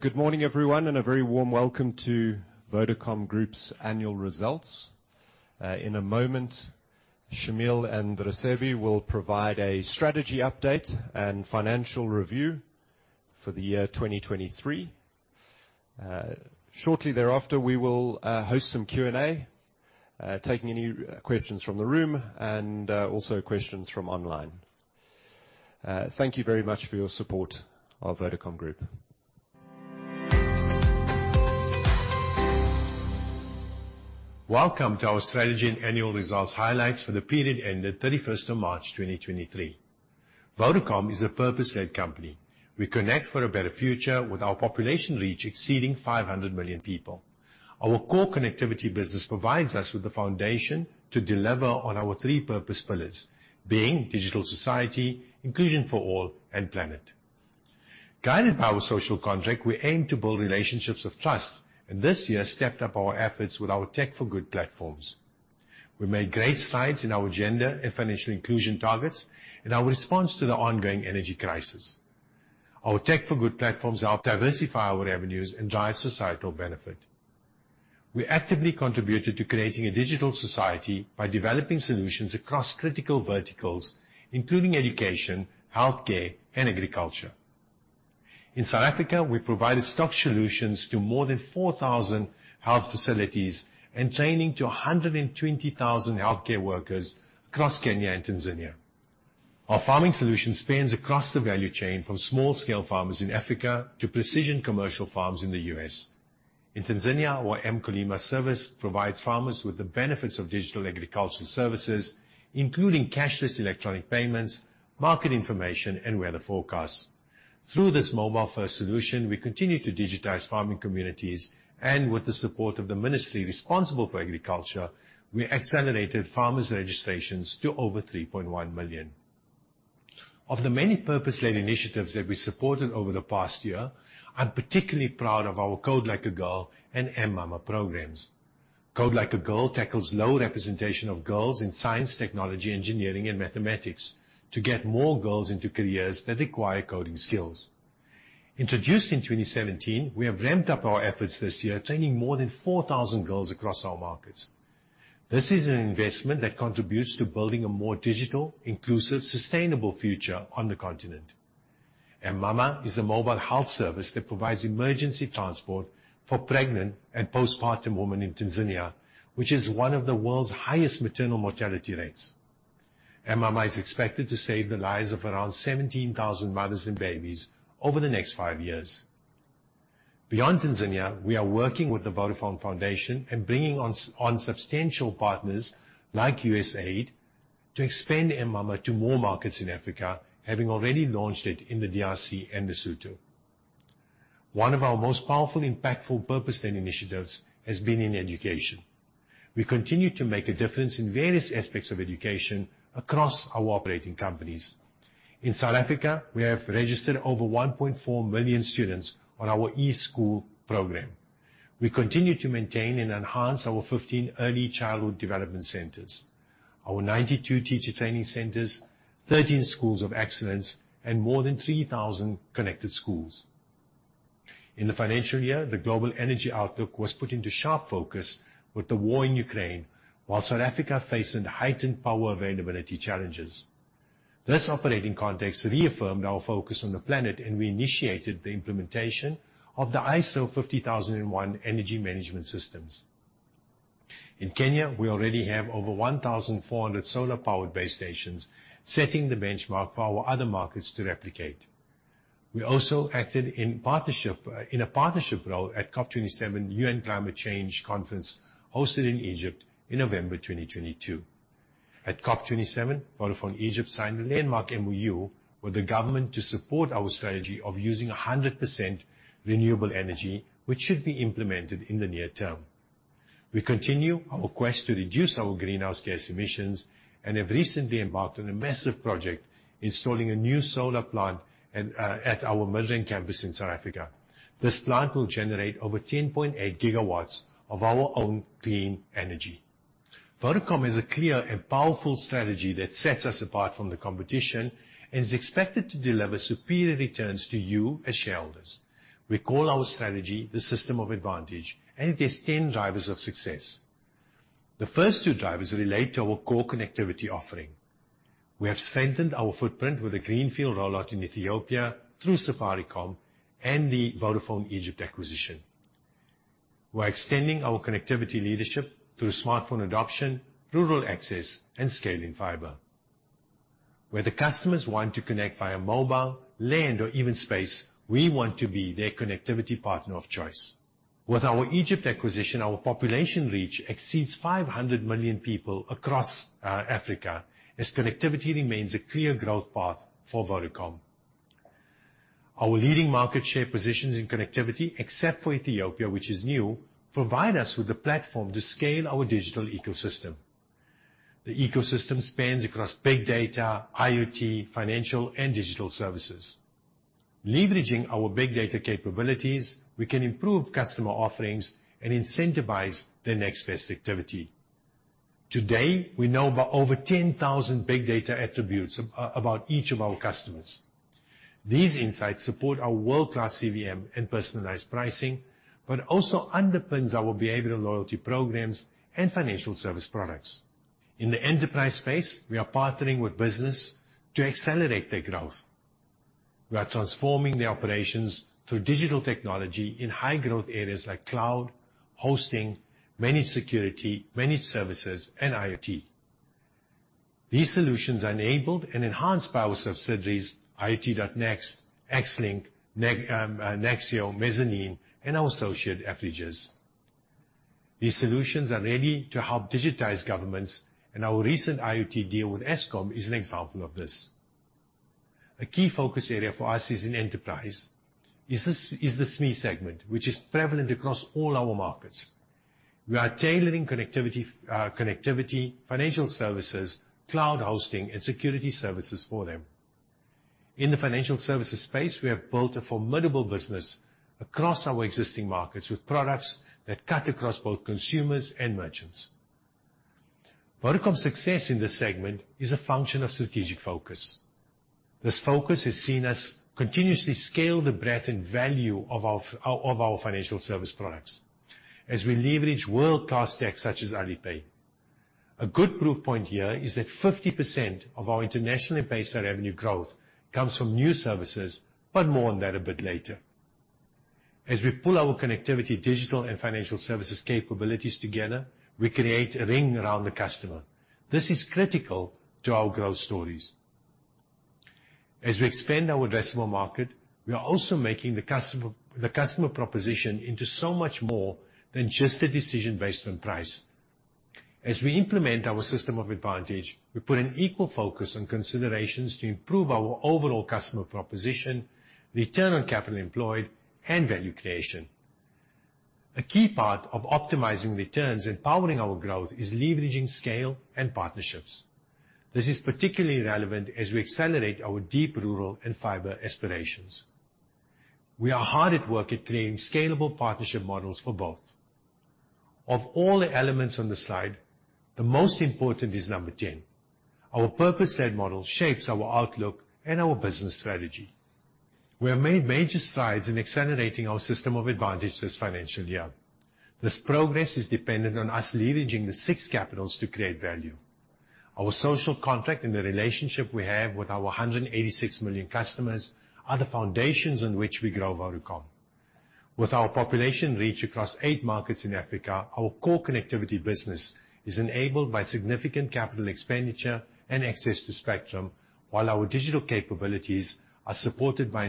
Good morning, everyone, and a very warm welcome to Vodacom Group's annual results. In a moment, Shameel and Raisibe will provide a strategy update and financial review for the year 2023. Shortly thereafter, we will host some Q&A, taking any questions from the room and also questions from online. Thank you very much for your support of Vodacom Group. Welcome to our strategy and annual results highlights for the period ended 31st of March, 2023. Vodacom is a purpose-led company. We connect for a better future with our population reach exceeding 500 million people. Our core connectivity business provides us with the foundation to deliver on our three purpose pillars, being digital society, inclusion for all, and planet. Guided by our social contract, we aim to build relationships of trust, and this year stepped up our efforts with our Tech4Good platforms. We made great strides in our gender and financial inclusion targets and our response to the ongoing energy crisis. Our Tech4Good platforms help diversify our revenues and drive societal benefit. We actively contributed to creating a digital society by developing solutions across critical verticals, including education, health care, and agriculture. In South Africa, we provided stock solutions to more than 4,000 health facilities and training to 120,000 healthcare workers across Kenya and Tanzania. Our farming solution spans across the value chain from small scale farmers in Africa to precision commercial farms in the U.S. In Tanzania, our Mkulima service provides farmers with the benefits of digital agricultural services, including cashless electronic payments, market information, and weather forecasts. Through this mobile-first solution, we continue to digitize farming communities, and with the support of the ministry responsible for agriculture, we accelerated farmers' registrations to over 3.1 million. Of the many purpose-led initiatives that we supported over the past year, I'm particularly proud of our Code Like a Girl and m-mama programs. Code Like a Girl tackles low representation of girls in science, technology, engineering, and mathematics to get more girls into careers that require coding skills. Introduced in 2017, we have ramped up our efforts this year, training more than 4,000 girls across our markets. This is an investment that contributes to building a more digital, inclusive, sustainable future on the continent. m-mama is a mobile health service that provides emergency transport for pregnant and postpartum women in Tanzania, which is one of the world's highest maternal mortality rates. m-mama is expected to save the lives of around 17,000 mothers and babies over the next five years. Beyond Tanzania, we are working with the Vodafone Foundation and bringing on substantial partners like USAID to expand m-mama to more markets in Africa, having already launched it in the DRC and Lesotho. One of our most powerful, impactful, purpose-led initiatives has been in education. We continue to make a difference in various aspects of education across our operating companies. In South Africa, we have registered over 1.4 million students on our e-school program. We continue to maintain and enhance our 15 early childhood development centers, our 92 teacher training centers, 13 schools of excellence and more than 3,000 connected schools. In the financial year, the global energy outlook was put into sharp focus with the war in Ukraine while South Africa faced heightened power availability challenges. This operating context reaffirmed our focus on the planet, and we initiated the implementation of the ISO 50001 energy management systems. In Kenya, we already have over 1,400 solar powered base stations, setting the benchmark for our other markets to replicate. We also acted in partnership, in a partnership role at COP27 UN Climate Change Conference, hosted in Egypt in November 2022. At COP27, Vodafone Egypt signed a landmark MoU with the government to support our strategy of using 100% renewable energy, which should be implemented in the near term. We continue our quest to reduce our greenhouse gas emissions and have recently embarked on a massive project installing a new solar plant at our Midrand campus in South Africa. This plant will generate over 10.8 GW of our own clean energy. Vodacom has a clear and powerful strategy that sets us apart from the competition and is expected to deliver superior returns to you as shareholders. We call our strategy the System of Advantage and it has 10 drivers of success. The first two drivers relate to our core connectivity offering. We have strengthened our footprint with a greenfield rollout in Ethiopia through Safaricom and the Vodafone Egypt acquisition. We're extending our connectivity leadership through smartphone adoption, rural access and scaling fiber. Where the customers want to connect via mobile, land or even space, we want to be their connectivity partner of choice. With our Egypt acquisition, our population reach exceeds 500 million people across Africa as connectivity remains a clear growth path for Vodacom. Our leading market share positions in connectivity, except for Ethiopia, which is new, provide us with the platform to scale our digital ecosystem. The ecosystem spans across big data, IoT, financial and digital services. Leveraging our big data capabilities, we can improve customer offerings and incentivize their next best activity. Today, we know about over 10,000 big data attributes about each of our customers. These insights support our world-class CVM and personalized pricing, but also underpins our behavioral loyalty programs and financial service products. In the enterprise space, we are partnering with business to accelerate their growth. We are transforming the operations through digital technology in high growth areas like cloud, hosting, managed security, managed services, and IoT. These solutions are enabled and enhanced by our subsidiaries, IoT.nxt, XLink, Nexio, Mezzanine, and our associate, AfriGIS. These solutions are ready to help digitize governments, and our recent IoT deal with Eskom is an example of this. A key focus area for us is in enterprise. The SME segment, which is prevalent across all our markets. We are tailoring connectivity, financial services, cloud hosting, and security services for them. In the financial services space, we have built a formidable business across our existing markets with products that cut across both consumers and merchants. Vodacom's success in this segment is a function of strategic focus. This focus has seen us continuously scale the breadth and value of our of our financial service products as we leverage world-class tech such as Alipay. A good proof point here is that 50% of our internationally based revenue growth comes from new services, more on that a bit later. We pull our connectivity, digital, and financial services capabilities together, we create a ring around the customer. This is critical to our growth stories. We expand our addressable market, we are also making the customer, the customer proposition into so much more than just a decision based on price. As we implement our System of Advantage, we put an equal focus on considerations to improve our overall customer proposition, return on capital employed, and value creation. A key part of optimizing returns and powering our growth is leveraging scale and partnerships. This is particularly relevant as we accelerate our deep rural and fiber aspirations. We are hard at work at creating scalable partnership models for both. Of all the elements on the slide, the most important is number 10. Our purpose-led model shapes our outlook and our business strategy. We have made major strides in accelerating our System of Advantage this financial year. This progress is dependent on us leveraging the six capitals to create value. Our social contract and the relationship we have with our 186 million customers are the foundations on which we grow Vodacom. With our population reach across eight markets in Africa, our core connectivity business is enabled by significant CapEx and access to spectrum, while our digital capabilities are supported by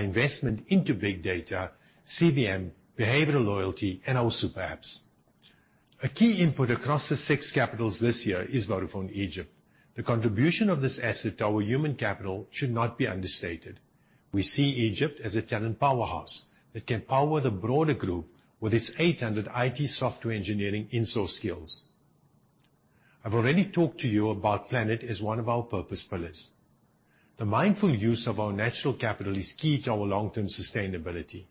investment into big data, CVM, behavioral loyalty, and our super apps. A key input across the six capitals this year is Vodafone Egypt. The contribution of this asset to our human capital should not be understated. We see Egypt as a talent powerhouse that can power the broader group with its 800 IT software engineering in-source skills. I've already talked to you about planet as one of our purpose pillars. The mindful use of our natural capital is key to our long-term sustainability.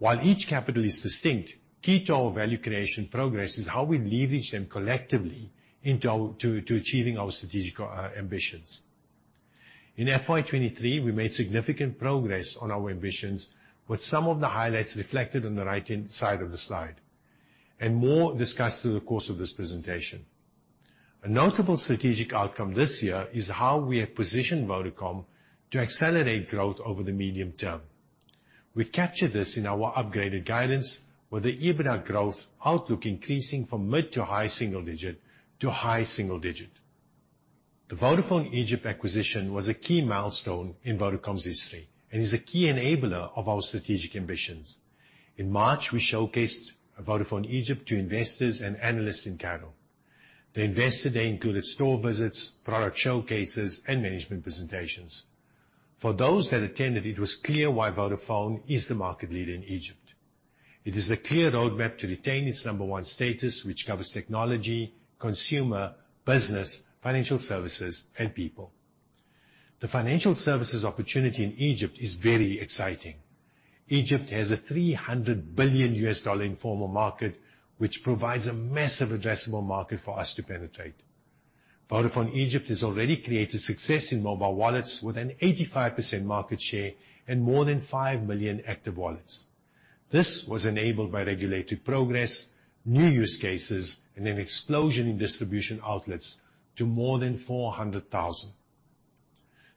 While each capital is distinct, key to our value creation progress is how we leverage them collectively into our to achieving our strategic ambitions. In FY 2023, we made significant progress on our ambitions with some of the highlights reflected on the right-hand side of the slide, and more discussed through the course of this presentation. A notable strategic outcome this year is how we have positioned Vodacom to accelerate growth over the medium term. We capture this in our upgraded guidance with the EBITDA growth outlook increasing from mid to high single digit to high single digit. The Vodafone Egypt acquisition was a key milestone in Vodacom's history and is a key enabler of our strategic ambitions. In March, we showcased Vodafone Egypt to investors and analysts in Cairo. The investor day included store visits, product showcases, and management presentations. For those that attended, it was clear why Vodafone is the market leader in Egypt. It is a clear roadmap to retain its number one status, which covers technology, consumer, business, financial services, and people. The financial services opportunity in Egypt is very exciting. Egypt has a $300 billion informal market, which provides a massive addressable market for us to penetrate. Vodafone Egypt has already created success in mobile wallets with an 85% market share and more than 5 million active wallets. This was enabled by regulated progress, new use cases, and an explosion in distribution outlets to more than 400,000.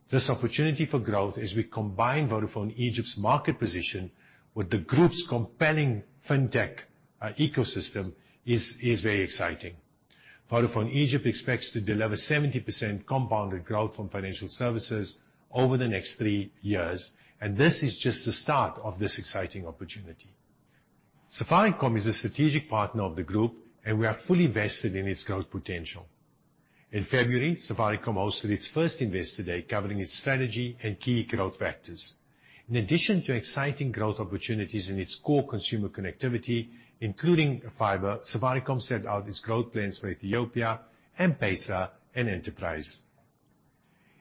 This opportunity for growth as we combine Vodafone Egypt's market position with the group's compelling fintech ecosystem is very exciting. Vodafone Egypt expects to deliver 70% compounded growth from financial services over the next three years, and this is just the start of this exciting opportunity. Safaricom is a strategic partner of the group, and we are fully vested in its growth potential. In February, Safaricom hosted its first investor day covering its strategy and key growth factors. In addition to exciting growth opportunities in its core consumer connectivity, including fiber, Safaricom set out its growth plans for Ethiopia and M-PESA and Enterprise.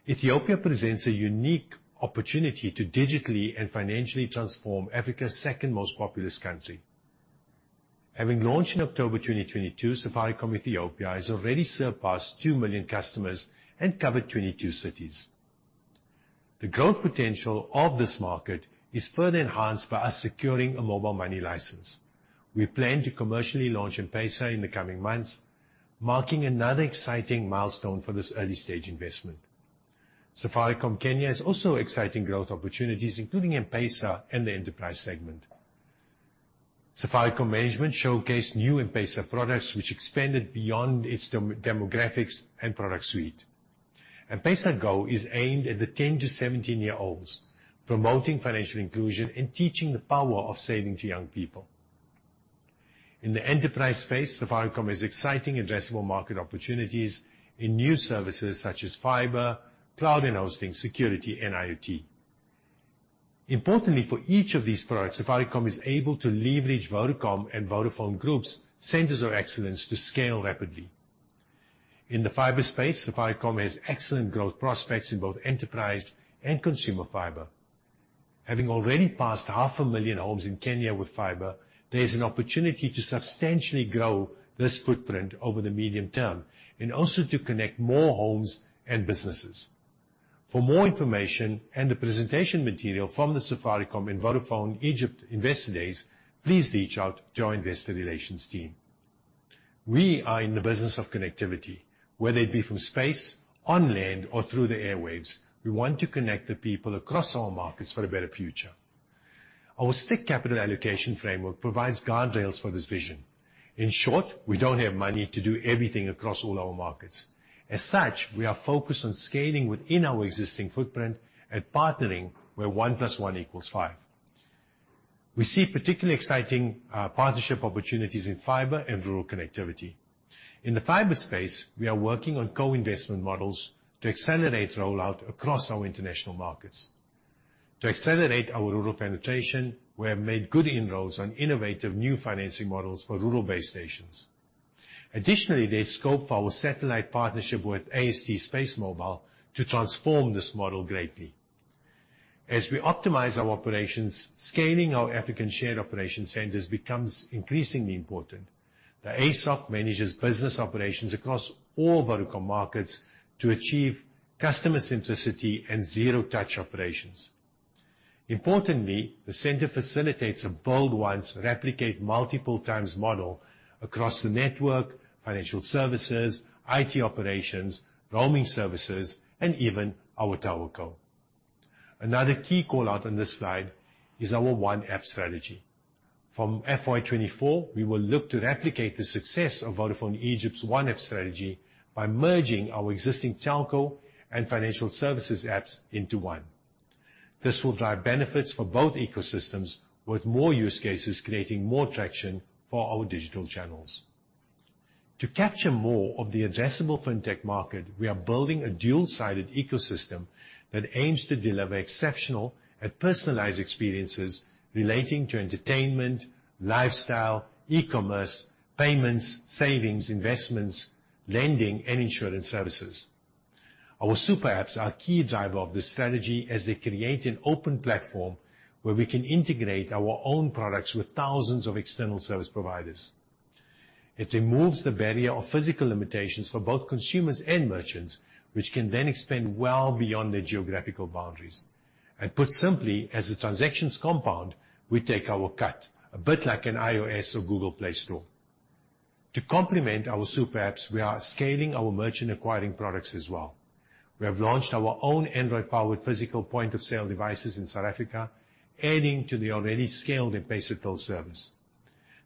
Ethiopia presents a unique opportunity to digitally and financially transform Africa's second most populous country. Having launched in October 2022, Safaricom Ethiopia has already surpassed 2 million customers and covered 22 cities. The growth potential of this market is further enhanced by us securing a mobile money license. We plan to commercially launch M-PESA in the coming months, marking another exciting milestone for this early-stage investment. Safaricom Kenya has also exciting growth opportunities, including M-PESA in the enterprise segment. Safaricom management showcased new M-PESA products which expanded beyond its demographics and product suite. M-PESA Go is aimed at the 10 to 17-year-olds, promoting financial inclusion and teaching the power of saving to young people. In the enterprise space, Safaricom has exciting addressable market opportunities in new services such as fiber, cloud and hosting, security, and IoT. Importantly, for each of these products, Safaricom is able to leverage Vodacom and Vodafone Groups' centers of excellence to scale rapidly. In the fiber space, Safaricom has excellent growth prospects in both enterprise and consumer fiber. Having already passed half a million homes in Kenya with fiber, there is an opportunity to substantially grow this footprint over the medium term, and also to connect more homes and businesses. For more information and the presentation material from the Safaricom and Vodafone Egypt Investor Days, please reach out to our investor relations team. We are in the business of connectivity, whether it be from space, on land, or through the airwaves. We want to connect the people across our markets for a better future. Our strict capital allocation framework provides guardrails for this vision. In short, we don't have money to do everything across all our markets. As such, we are focused on scaling within our existing footprint and partnering where one plus one equals five. We see particularly exciting partnership opportunities in fiber and rural connectivity. In the fiber space, we are working on co-investment models to accelerate rollout across our international markets. To accelerate our rural penetration, we have made good inroads on innovative new financing models for rural base stations. Additionally, there's scope for our satellite partnership with AST SpaceMobile to transform this model greatly. As we optimize our operations, scaling our African Shared Operation Centers becomes increasingly important. The ASOC manages business operations across all Vodacom markets to achieve customer centricity and zero touch operations. Importantly, the center facilitates a build once, replicate multiple times model across the network, financial services, IT operations, roaming services, and even our tower co. Another key call-out on this slide is our One App Strategy. From FY 2024, we will look to replicate the success of Vodafone Egypt's One App Strategy by merging our existing telco and financial services apps into one. This will drive benefits for both ecosystems, with more use cases creating more traction for our digital channels. To capture more of the addressable fintech market, we are building a dual-sided ecosystem that aims to deliver exceptional and personalized experiences relating to entertainment, lifestyle, e-commerce, payments, savings, investments, lending, and insurance services. Our super apps are a key driver of this strategy as they create an open platform where we can integrate our own products with thousands of external service providers. Put simply, as the transactions compound, we take our cut, a bit like an iOS or Google Play Store. To complement our super apps, we are scaling our merchant acquiring products as well. We have launched our own Android-powered physical point-of-sale devices in South Africa, adding to the already scaled M-PESA till service.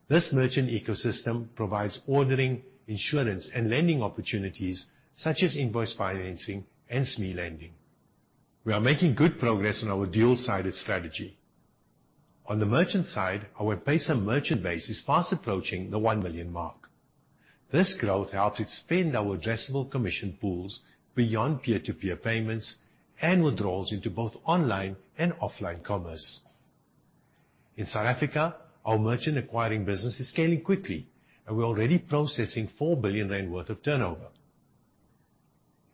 This merchant ecosystem provides ordering, insurance, and lending opportunities such as invoice financing and SME lending. On the merchant side, our M-PESA merchant base is fast approaching the 1 million mark. This growth helps expand our addressable commission pools beyond peer-to-peer payments and withdrawals into both online and offline commerce. In South Africa, our merchant acquiring business is scaling quickly, and we're already processing 4 billion worth of turnover.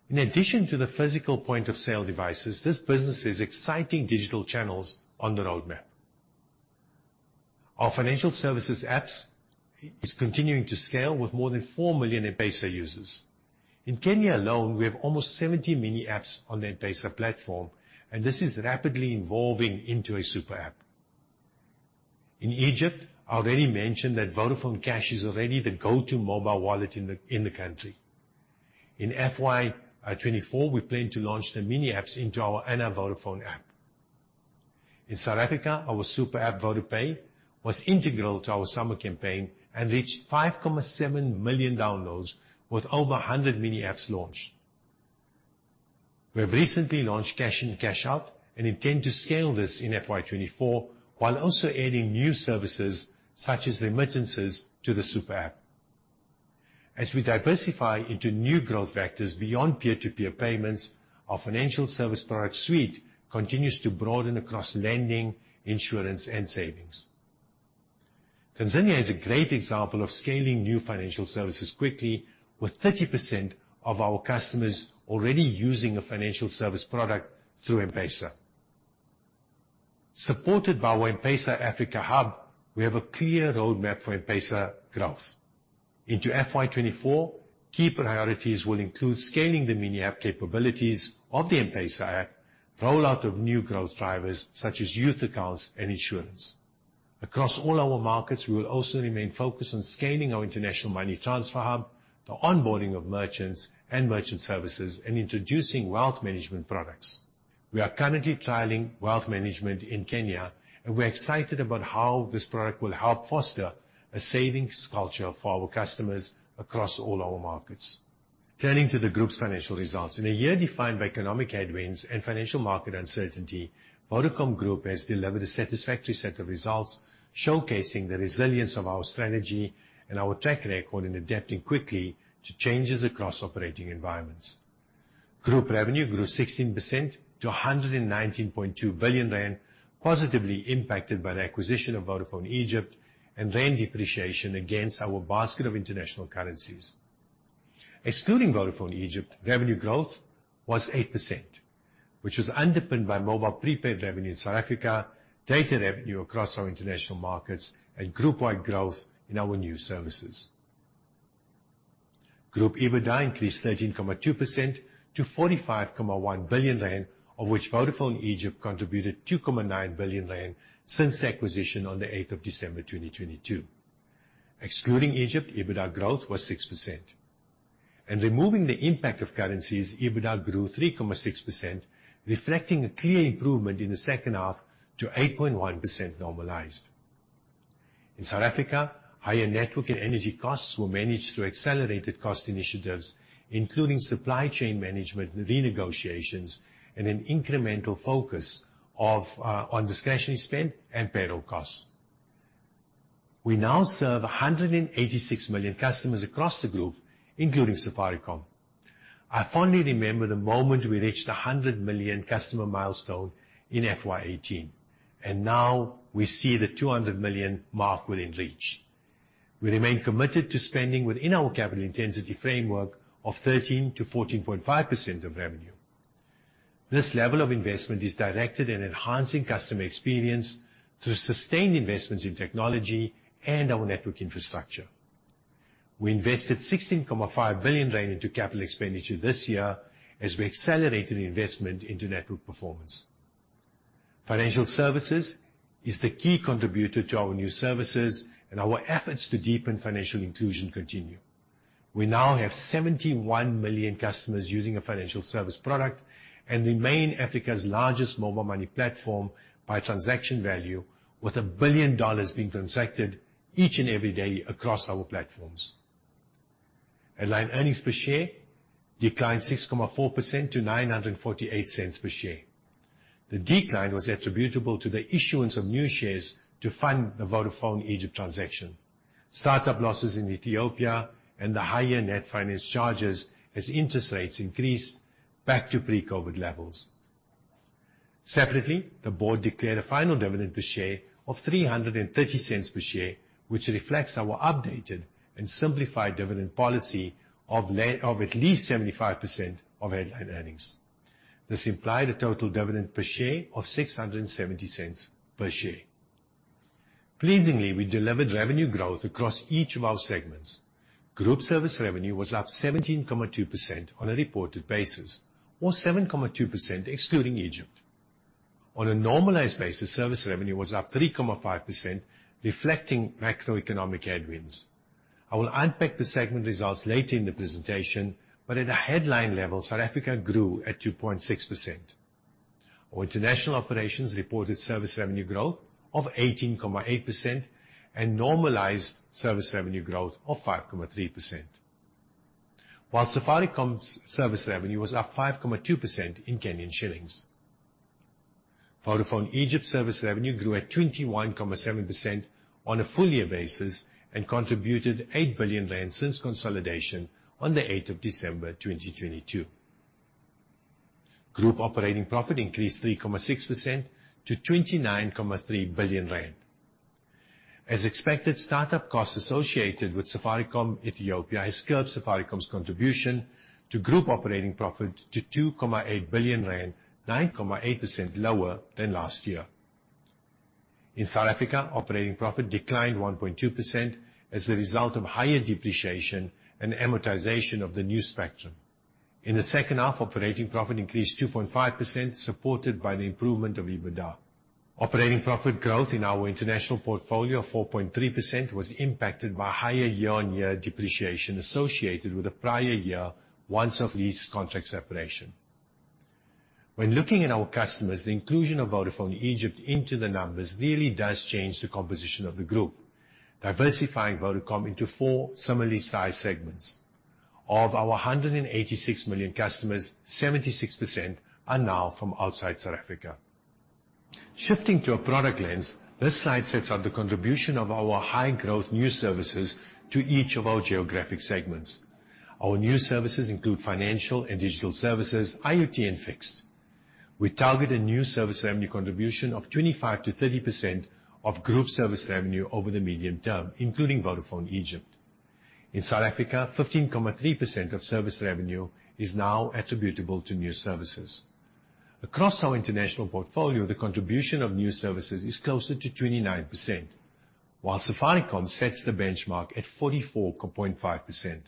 In addition to the physical point-of-sale devices, this business has exciting digital channels on the roadmap. Our financial services apps is continuing to scale, with more than 4 million M-PESA users. In Kenya alone, we have almost 70 mini apps on the M-PESA platform, and this is rapidly evolving into a super app. In Egypt, I already mentioned that Vodafone Cash is already the go-to mobile wallet in the country. In FY 2024, we plan to launch the mini apps into our Ana Vodafone app. In South Africa, our super app, VodaPay, was integral to our summer campaign and reached 5.7 million downloads, with over 100 mini apps launched. We have recently launched cash in, cash out, and intend to scale this in FY 2024, while also adding new services such as remittances to the super app. As we diversify into new growth vectors beyond peer-to-peer payments, our financial service product suite continues to broaden across lending, insurance, and savings. Tanzania is a great example of scaling new financial services quickly, with 30% of our customers already using a financial service product through M-PESA. Supported by our M-PESA Africa hub, we have a clear roadmap for M-PESA growth. Into FY 2024, key priorities will include scaling the mini app capabilities of the M-PESA app, rollout of new growth drivers such as youth accounts and insurance. Across all our markets, we will also remain focused on scaling our international money transfer hub, the onboarding of merchants and merchant services, and introducing wealth management products. We are currently trialing wealth management in Kenya, and we're excited about how this product will help foster a savings culture for our customers across all our markets. Turning to the group's financial results. In a year defined by economic headwinds and financial market uncertainty, Vodafone Group has delivered a satisfactory set of results showcasing the resilience of our strategy and our track record in adapting quickly to changes across operating environments. Group revenue grew 16% to 119.2 billion rand, positively impacted by the acquisition of Vodafone Egypt and rand depreciation against our basket of international currencies. Excluding Vodafone Egypt, revenue growth was 8%, which was underpinned by mobile prepaid revenue in South Africa, data revenue across our international markets, and group-wide growth in our new services. Group EBITDA increased 13.2% to 45.1 billion rand, of which Vodafone Egypt contributed 2.9 billion rand since the acquisition on the 8th of December 2022. Excluding Egypt, EBITDA growth was 6%. Removing the impact of currencies, EBITDA grew 3.6%, reflecting a clear improvement in the second half to 8.1% normalized. In South Africa, higher network and energy costs were managed through accelerated cost initiatives, including supply chain management renegotiations and an incremental focus on discretionary spend and payroll costs. We now serve 186 million customers across the group, including Safaricom. I fondly remember the moment we reached 100 million customer milestone in FY 2018, and now we see the 200 million mark within reach. We remain committed to spending within our capital intensity framework of 13%-14.5% of revenue. This level of investment is directed at enhancing customer experience through sustained investments in technology and our network infrastructure. We invested 16.5 billion rand into capital expenditure this year as we accelerated investment into network performance. Financial services is the key contributor to our new services, and our efforts to deepen financial inclusion continue. We now have 71 million customers using a financial service product and remain Africa's largest mobile money platform by transaction value, with $1 billion being transacted each and every day across our platforms. Headline earnings per share declined 6.4% to 9.48 per share. The decline was attributable to the issuance of new shares to fund the Vodafone Egypt transaction, startup losses in Ethiopia, and the higher net finance charges as interest rates increased back to pre-COVID levels. Separately, the board declared a final dividend per share of 3.30 per share, which reflects our updated and simplified dividend policy of at least 75% of headline earnings. This implied a total dividend per share of 6.70 per share. Pleasingly, we delivered revenue growth across each of our segments. Group service revenue was up 17.2% on a reported basis, or 7.2% excluding Egypt. On a normalized basis, service revenue was up 3.5%, reflecting macroeconomic headwinds. I will unpack the segment results later in the presentation. At a headline level, South Africa grew at 2.6%. Our international operations reported service revenue growth of 18.8% and normalized service revenue growth of 5.3%. Safaricom's service revenue was up 5.2% in KES. Vodafone Egypt service revenue grew at 21.7% on a full year basis and contributed 8 billion rand since consolidation on the 8th of December 2022. Group operating profit increased 3.6% to 29.3 billion rand. As expected, start-up costs associated with Safaricom Ethiopia has curbed Safaricom's contribution to group operating profit to 2.8 billion rand, 9.8% lower than last year. In South Africa, operating profit declined 1.2% as a result of higher depreciation and amortization of the new spectrum. In the second half, operating profit increased 2.5%, supported by the improvement of EBITDA. Operating profit growth in our international portfolio of 4.3% was impacted by higher year-on-year depreciation associated with the prior year once off lease contract separation. When looking at our customers, the inclusion of Vodafone Egypt into the numbers really does change the composition of the group, diversifying Vodafone into four similarly sized segments. Of our 186 million customers, 76% are now from outside South Africa. Shifting to a product lens, this slide sets out the contribution of our high growth new services to each of our geographic segments. Our new services include financial and digital services, IoT, and fixed. We target a new service revenue contribution of 25%-30% of group service revenue over the medium term, including Vodafone Egypt. In South Africa, 15.3% of service revenue is now attributable to new services. Across our international portfolio, the contribution of new services is closer to 29%, while Safaricom sets the benchmark at 44.5%.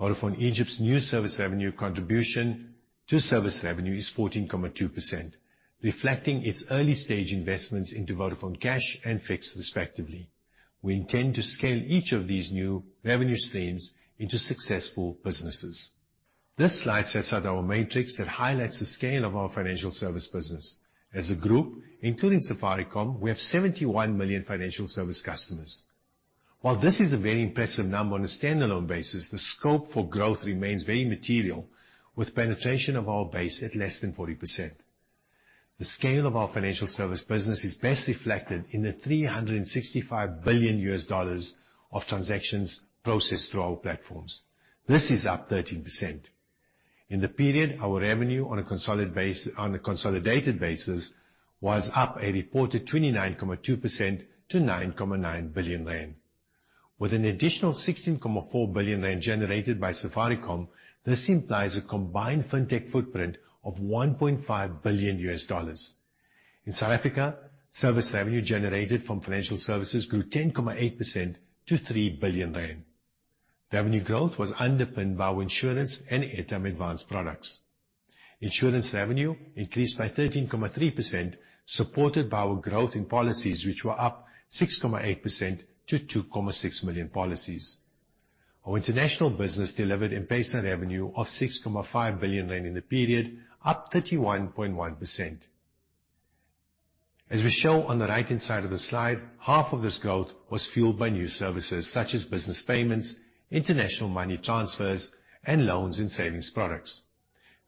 Vodafone Egypt's new service revenue contribution to service revenue is 14.2%, reflecting its early stage investments into Vodafone Cash and Fix, respectively. We intend to scale each of these new revenue streams into successful businesses. This slide sets out our matrix that highlights the scale of our financial service business. As a group, including Safaricom, we have 71 million financial service customers. While this is a very impressive number on a standalone basis, the scope for growth remains very material, with penetration of our base at less than 40%. The scale of our financial service business is best reflected in the $365 billion of transactions processed through our platforms. This is up 13%. In the period, our revenue on a consolidated basis was up a reported 29.2% to 9.9 billion rand. With an additional 16.4 billion rand generated by Safaricom, this implies a combined fintech footprint of $1.5 billion. In South Africa, service revenue generated from financial services grew 10.8% to 3 billion rand. Revenue growth was underpinned by our insurance and Airtime Advance products. Insurance revenue increased by 13.3%, supported by our growth in policies which were up 6.8% to 2.6 million policies. Our international business delivered M-PESA revenue of 6.5 billion rand in the period, up 31.1%. As we show on the right-hand side of the slide, half of this growth was fueled by new services such as business payments, international money transfers, and loans and savings products.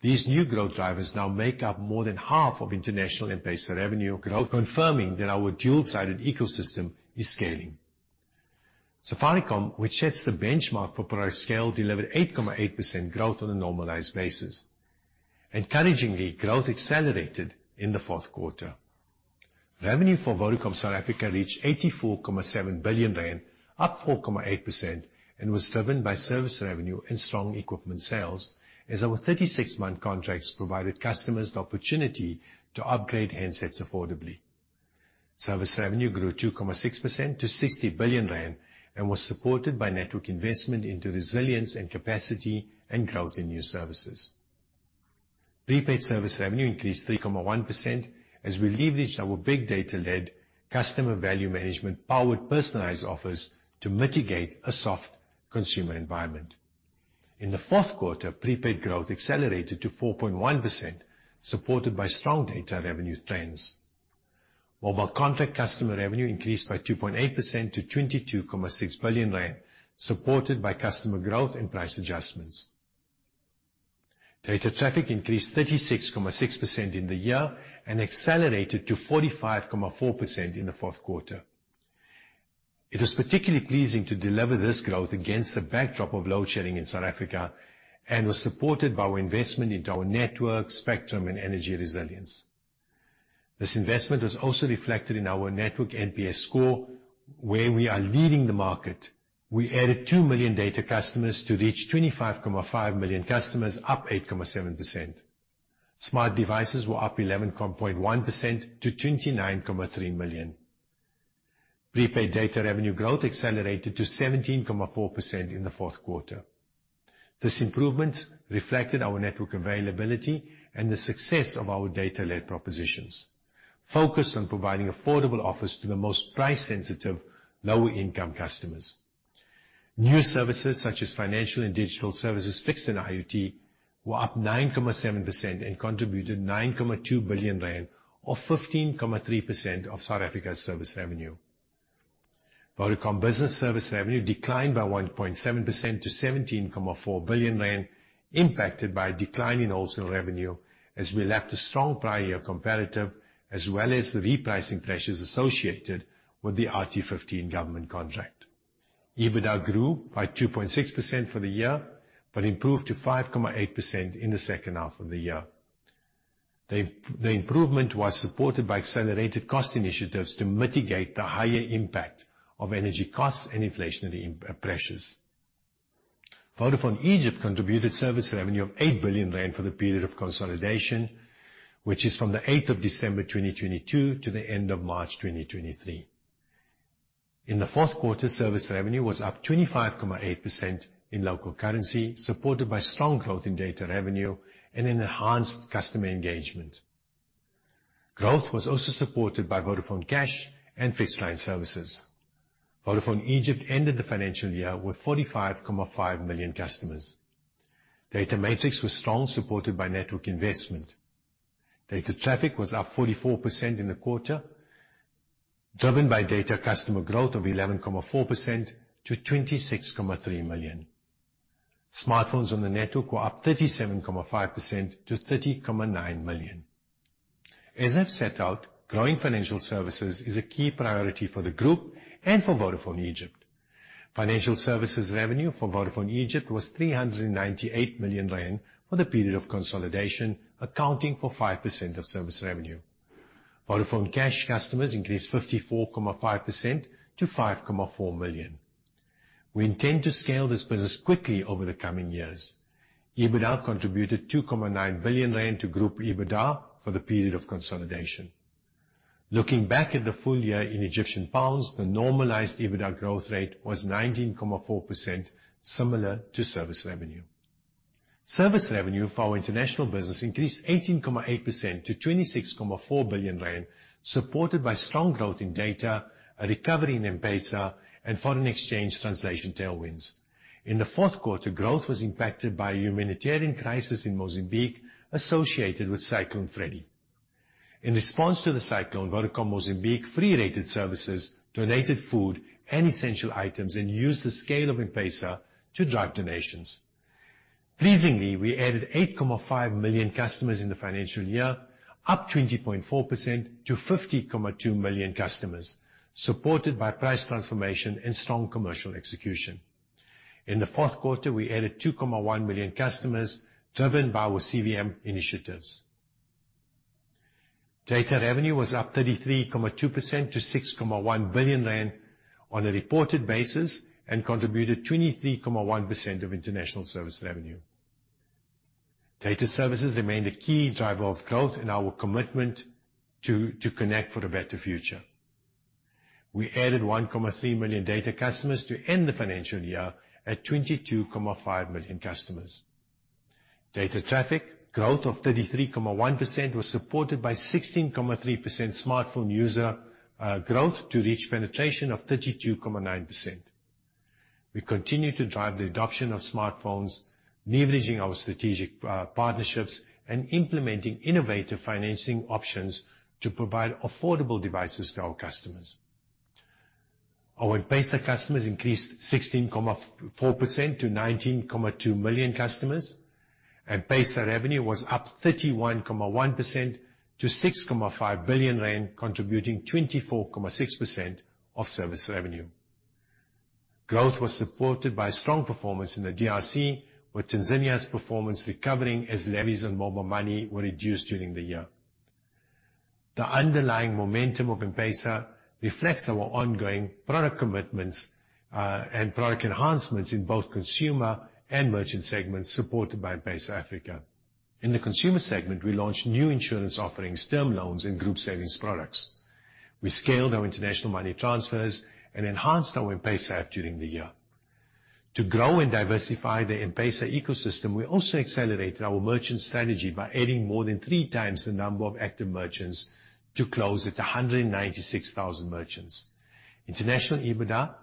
These new growth drivers now make up more than half of international M-PESA revenue growth, confirming that our dual-sided ecosystem is scaling. Safaricom, which sets the benchmark for product scale, delivered 8.8% growth on a normalized basis. Encouragingly, growth accelerated in the fourth quarter. Revenue for Vodacom South Africa reached 84.7 billion rand, up 4.8%, was driven by service revenue and strong equipment sales as our 36-month contracts provided customers the opportunity to upgrade handsets affordably. Service revenue grew 2.6% to 60 billion rand, was supported by network investment into resilience and capacity and growth in new services. Prepaid service revenue increased 3.1% as we leveraged our big data-led customer value management powered personalized offers to mitigate a soft consumer environment. In the fourth quarter, prepaid growth accelerated to 4.1%, supported by strong data revenue trends. Mobile contract customer revenue increased by 2.8% to 22.6 billion rand, supported by customer growth and price adjustments. Data traffic increased 36.6% in the year and accelerated to 45.4% in the fourth quarter. It was particularly pleasing to deliver this growth against the backdrop of load shedding in South Africa and was supported by our investment into our network, spectrum and energy resilience. This investment was also reflected in our network NPS score, where we are leading the market. We added 2 million data customers to reach 25.5 million customers, up 8.7%. Smart devices were up 11.1% to 29.3 million. Prepaid data revenue growth accelerated to 17.4% in the fourth quarter. This improvement reflected our network availability and the success of our data-led propositions focused on providing affordable offers to the most price-sensitive, lower income customers. New services such as financial and digital services, Fixed and IoT were up 9.7% and contributed 9.2 billion rand or 15.3% of South Africa's service revenue. Vodacom Business service revenue declined by 1.7% to 17.4 billion rand, impacted by a decline in wholesale revenue as we lapped a strong prior year comparative as well as the repricing pressures associated with the RT15 government contract. EBITDA grew by 2.6% for the year, improved to 5.8% in the second half of the year. The improvement was supported by accelerated cost initiatives to mitigate the higher impact of energy costs and inflationary pressures. Vodafone Egypt contributed service revenue of 8 billion rand for the period of consolidation, which is from the 8th of December 2022 to the end of March 2023. In the fourth quarter, service revenue was up 25.8% in local currency, supported by strong growth in data revenue and an enhanced customer engagement. Growth was also supported by Vodafone Cash and fixed line services. Vodafone Egypt ended the financial year with 45.5 million customers. Data matrix was strong, supported by network investment. Data traffic was up 44% in the quarter, driven by data customer growth of 11.4% to 26.3 million. Smartphones on the network were up 37.5% to 30.9 million. As I've set out, growing financial services is a key priority for the group and for Vodafone Egypt. Financial services revenue for Vodafone Egypt was 398 million rand for the period of consolidation, accounting for 5% of service revenue. Vodafone Cash customers increased 54.5% to 5.4 million. We intend to scale this business quickly over the coming years. EBITDA contributed 2.9 billion rand to Group EBITDA for the period of consolidation. Looking back at the full year in Egyptian pounds, the normalized EBITDA growth rate was 19.4% similar to service revenue. Service revenue for our international business increased 18.8% to 26.4 billion rand, supported by strong growth in data, a recovery in M-PESA, and foreign exchange translation tailwinds. In the fourth quarter, growth was impacted by a humanitarian crisis in Mozambique associated with Cyclone Freddy. In response to the cyclone, Vodacom Mozambique free rated services, donated food and essential items, and used the scale of M-PESA to drive donations. Pleasingly, we added 8.5 million customers in the financial year, up 20.4% to 50.2 million customers, supported by price transformation and strong commercial execution. In the fourth quarter, we added 2.1 million customers, driven by our CVM initiatives. Data revenue was up 33.2% to 6.1 billion rand on a reported basis and contributed 23.1% of international service revenue. Data services remained a key driver of growth in our commitment to connect for a better future. We added 1.3 million data customers to end the financial year at 22.5 million customers. Data traffic growth of 33.1% was supported by 16.3% smartphone user growth to reach penetration of 32.9%. We continue to drive the adoption of smartphones, leveraging our strategic partnerships and implementing innovative financing options to provide affordable devices to our customers. Our M-PESA customers increased 16.4% to 19.2 million customers, and M-PESA revenue was up 31.1% to 6.5 billion rand, contributing 24.6% of service revenue. Growth was supported by strong performance in the DRC, with Tanzania's performance recovering as levies on mobile money were reduced during the year. The underlying momentum of M-PESA reflects our ongoing product commitments and product enhancements in both consumer and merchant segments supported by M-PESA Africa. In the consumer segment, we launched new insurance offerings, term loans, and group savings products. We scaled our international money transfers and enhanced our M-PESA app during the year. To grow and diversify the M-PESA ecosystem, we also accelerated our merchant strategy by adding more than 3x the number of active merchants to close at 196,000 merchants. International EBITDA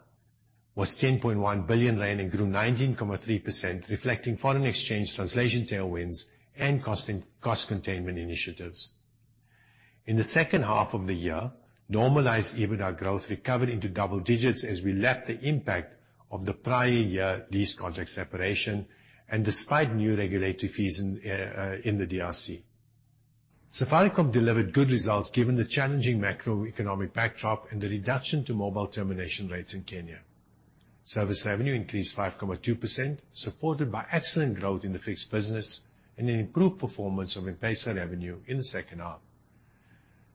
was 10.1 billion rand and grew 19.3%, reflecting foreign exchange translation tailwinds and cost containment initiatives. In the second half of the year, normalized EBITDA growth recovered into double digits as we lapped the impact of the prior year lease contract separation and despite new regulatory fees in the DRC. Safaricom delivered good results given the challenging macroeconomic backdrop and the reduction to Mobile Termination Rates in Kenya. Service revenue increased 5.2%, supported by excellent growth in the fixed business and an improved performance of M-PESA revenue in the second half.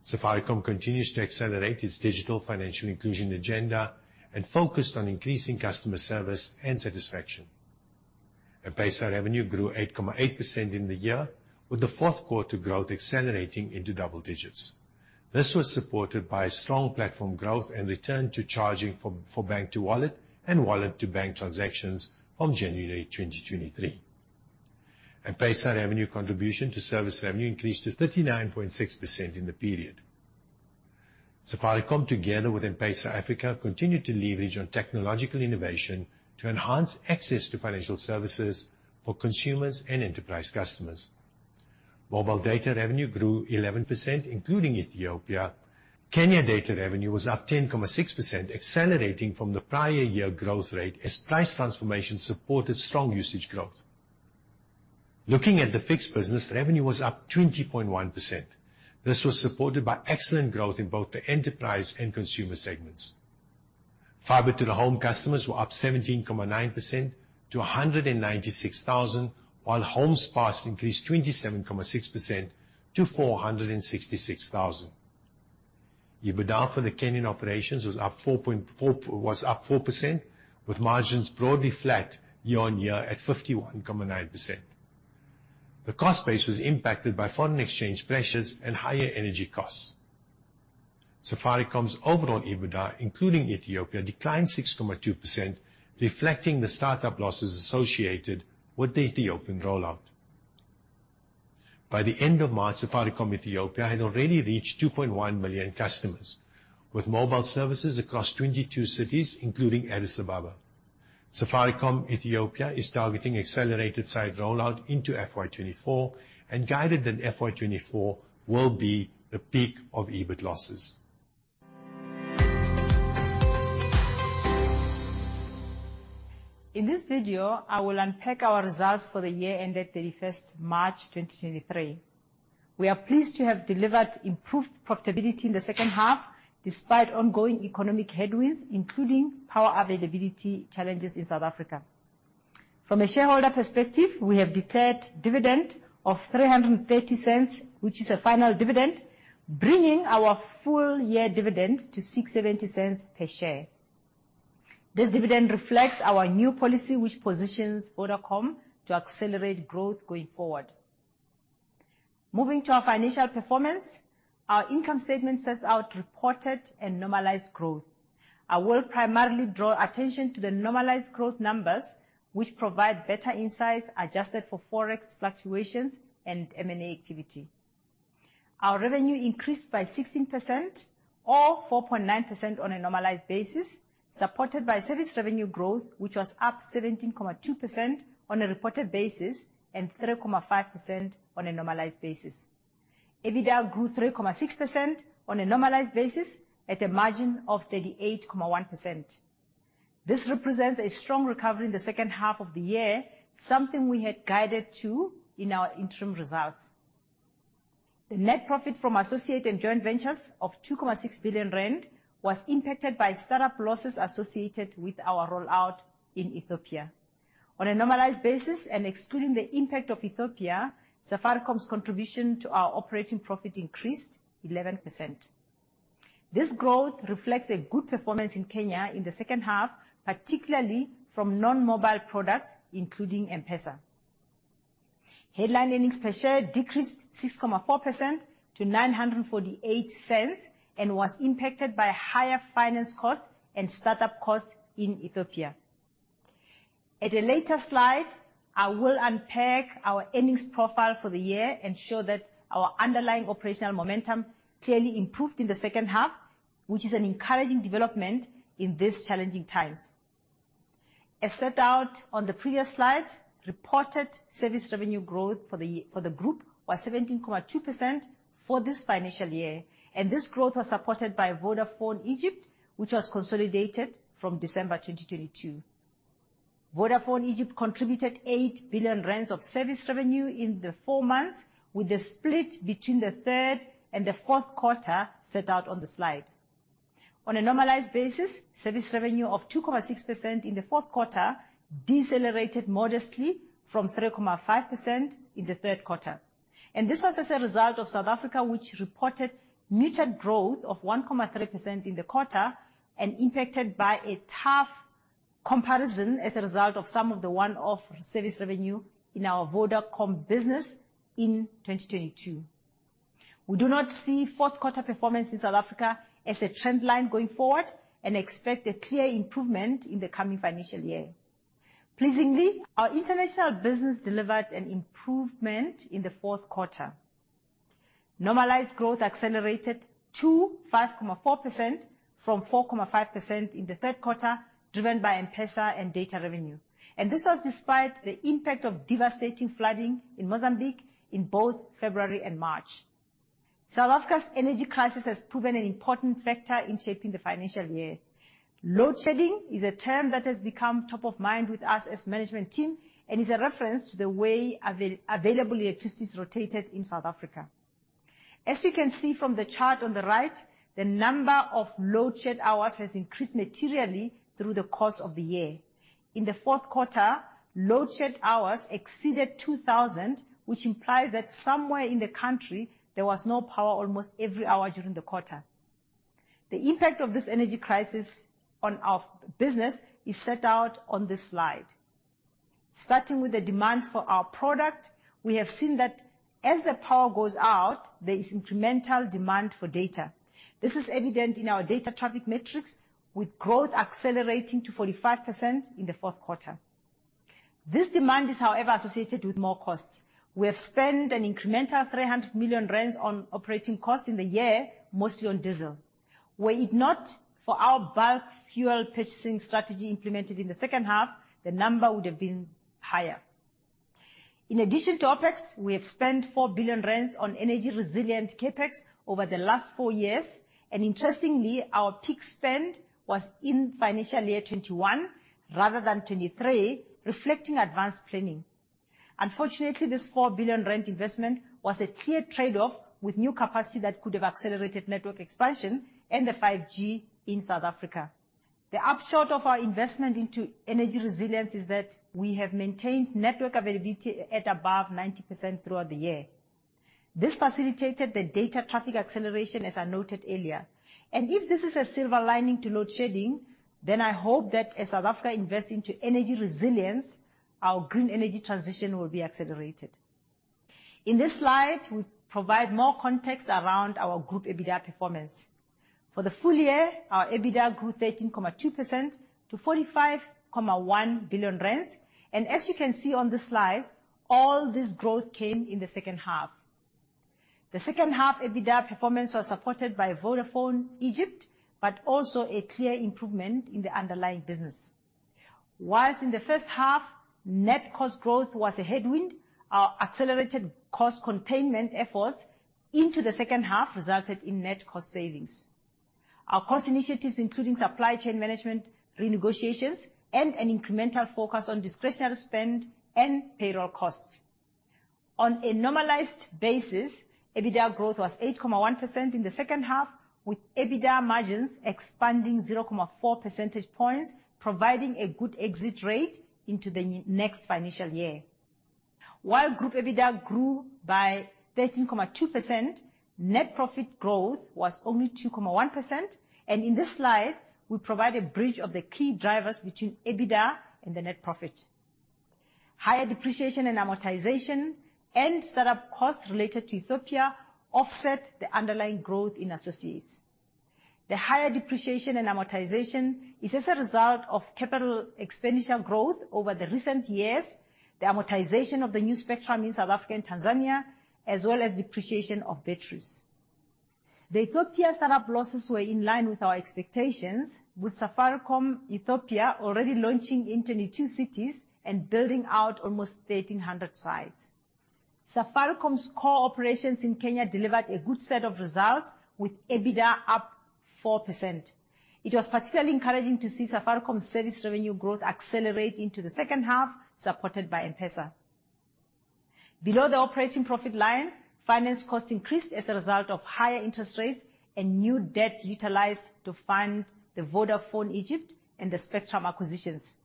Safaricom continues to accelerate its digital financial inclusion agenda and focused on increasing customer service and satisfaction. M-PESA revenue grew 8.8% in the year, with the fourth quarter growth accelerating into double digits. This was supported by strong platform growth and return to charging for bank-to-wallet and wallet-to-bank transactions from January 2023. M-PESA revenue contribution to service revenue increased to 39.6% in the period. Safaricom, together with M-PESA Africa, continued to leverage on technological innovation to enhance access to financial services for consumers and enterprise customers. Mobile data revenue grew 11%, including Ethiopia. Kenya data revenue was up 10.6%, accelerating from the prior year growth rate as price transformation supported strong usage growth. Looking at the fixed business, revenue was up 20.1%. This was supported by excellent growth in both the enterprise and consumer segments. Fiber to the Home customers were up 17.9% to 196,000, while homes passed increased 27.6% to 466,000. EBITDA for the Kenyan operations was up 4%, with margins broadly flat year-on-year at 51.9%. The cost base was impacted by foreign exchange pressures and higher energy costs. Safaricom's overall EBITDA, including Ethiopia, declined 6.2%, reflecting the startup losses associated with the Ethiopian rollout. By the end of March, Safaricom Ethiopia had already reached 2.1 million customers, with mobile services across 22 cities, including Addis Ababa. Safaricom Ethiopia is targeting accelerated site rollout into FY 2024 and guided that FY 2024 will be the peak of EBIT losses. In this video, I will unpack our results for the year ended March 31, 2023. We are pleased to have delivered improved profitability in the second half despite ongoing economic headwinds, including power availability challenges in South Africa. From a shareholder perspective, we have declared dividend of 3.30, which is a final dividend, bringing our full year dividend to 6.70 per share. This dividend reflects our new policy which positions Vodacom to accelerate growth going forward. Moving to our financial performance, our income statement sets out reported and normalized growth. I will primarily draw attention to the normalized growth numbers, which provide better insights adjusted for forex fluctuations and M&A activity. Our revenue increased by 16% or 4.9% on a normalized basis, supported by service revenue growth, which was up 17.2% on a reported basis and 3.5% on a normalized basis. EBITDA grew 3.6% on a normalized basis at a margin of 38.1%. This represents a strong recovery in the second half of the year, something we had guided to in our interim results. The net profit from associated joint ventures of 2.6 billion rand was impacted by start-up losses associated with our rollout in Ethiopia. On a normalized basis and excluding the impact of Ethiopia, Safaricom's contribution to our operating profit increased 11%. This growth reflects a good performance in Kenya in the second half, particularly from non-mobile products, including M-PESA. Headline earnings per share decreased 6.4% to 9.48. Was impacted by higher finance costs and start-up costs in Ethiopia. At a later slide, I will unpack our earnings profile for the year and show that our underlying operational momentum clearly improved in the second half, which is an encouraging development in these challenging times. As set out on the previous slide, reported service revenue growth for the group was 17.2% for this financial year. This growth was supported by Vodafone Egypt, which was consolidated from December 2022. Vodafone Egypt contributed 8 billion rand of service revenue in the four months, with the split between the third and the fourth quarter set out on the slide. On a normalized basis, service revenue of 2.6% in the fourth quarter decelerated modestly from 3.5% in the third quarter. This was as a result of South Africa, which reported muted growth of 1.3% in the quarter and impacted by a tough comparison as a result of some of the one-off service revenue in our Vodacom Business in 2022. We do not see fourth quarter performance in South Africa as a trend line going forward and expect a clear improvement in the coming financial year. Pleasingly, our international business delivered an improvement in the fourth quarter. Normalized growth accelerated to 5.4% from 4.5% in the third quarter, driven by M-PESA and data revenue. This was despite the impact of devastating flooding in Mozambique in both February and March. South Africa's energy crisis has proven an important factor in shaping the financial year. Load shedding is a term that has become top of mind with us as management team and is a reference to the way available electricity is rotated in South Africa. You can see from the chart on the right, the number of load shed hours has increased materially through the course of the year. In the fourth quarter, load shed hours exceeded 2,000, which implies that somewhere in the country there was no power almost every hour during the quarter. The impact of this energy crisis on our business is set out on this slide. Starting with the demand for our product, we have seen that as the power goes out, there is incremental demand for data. This is evident in our data traffic metrics, with growth accelerating to 45% in the fourth quarter. This demand is, however, associated with more costs. We have spent an incremental 300 million rand on operating costs in the year, mostly on diesel. Were it not for our bulk fuel purchasing strategy implemented in the second half, the number would have been higher. In addition to OpEx, we have spent 4 billion rand on energy resilient CapEx over the last four years. Interestingly, our peak spend was in financial year 21 rather than 23, reflecting advanced planning. Unfortunately, this 4 billion investment was a clear trade-off with new capacity that could have accelerated network expansion and the 5G in South Africa. The upshot of our investment into energy resilience is that we have maintained network availability at above 90% throughout the year. This facilitated the data traffic acceleration, as I noted earlier. If this is a silver lining to load shedding, then I hope that as South Africa invests into energy resilience, our green energy transition will be accelerated. In this slide, we provide more context around our group EBITDA performance. For the full year, our EBITDA grew 13.2% to 45.1 billion rand. As you can see on this slide, all this growth came in the second half. The second half EBITDA performance was supported by Vodafone Egypt, but also a clear improvement in the underlying business. Whilst in the first half, net cost growth was a headwind, our accelerated cost containment efforts into the second half resulted in net cost savings. Our cost initiatives, including supply chain management, renegotiations, and an incremental focus on discretionary spend and payroll costs. On a normalized basis, EBITDA growth was 8.1% in the second half, with EBITDA margins expanding 0.4 percentage points, providing a good exit rate into the next financial year. Group EBITDA grew by 13.2%, net profit growth was only 2.1%. In this slide, we provide a bridge of the key drivers between EBITDA and the net profit. Higher depreciation and amortization and startup costs related to Ethiopia offset the underlying growth in associates. The higher depreciation and amortization is as a result of capital expenditure growth over the recent years, the amortization of the new spectrum in South Africa and Tanzania, as well as depreciation of batteries. The Ethiopia startup losses were in line with our expectations, with Safaricom Ethiopia already launching in 22 cities and building out almost 1,300 sites. Safaricom's core operations in Kenya delivered a good set of results with EBITDA up 4%. It was particularly encouraging to see Safaricom service revenue growth accelerate into the second half, supported by M-PESA. Below the operating profit line, finance costs increased as a result of higher interest rates and new debt utilized to fund the Vodafone Egypt and the spectrum acquisitions.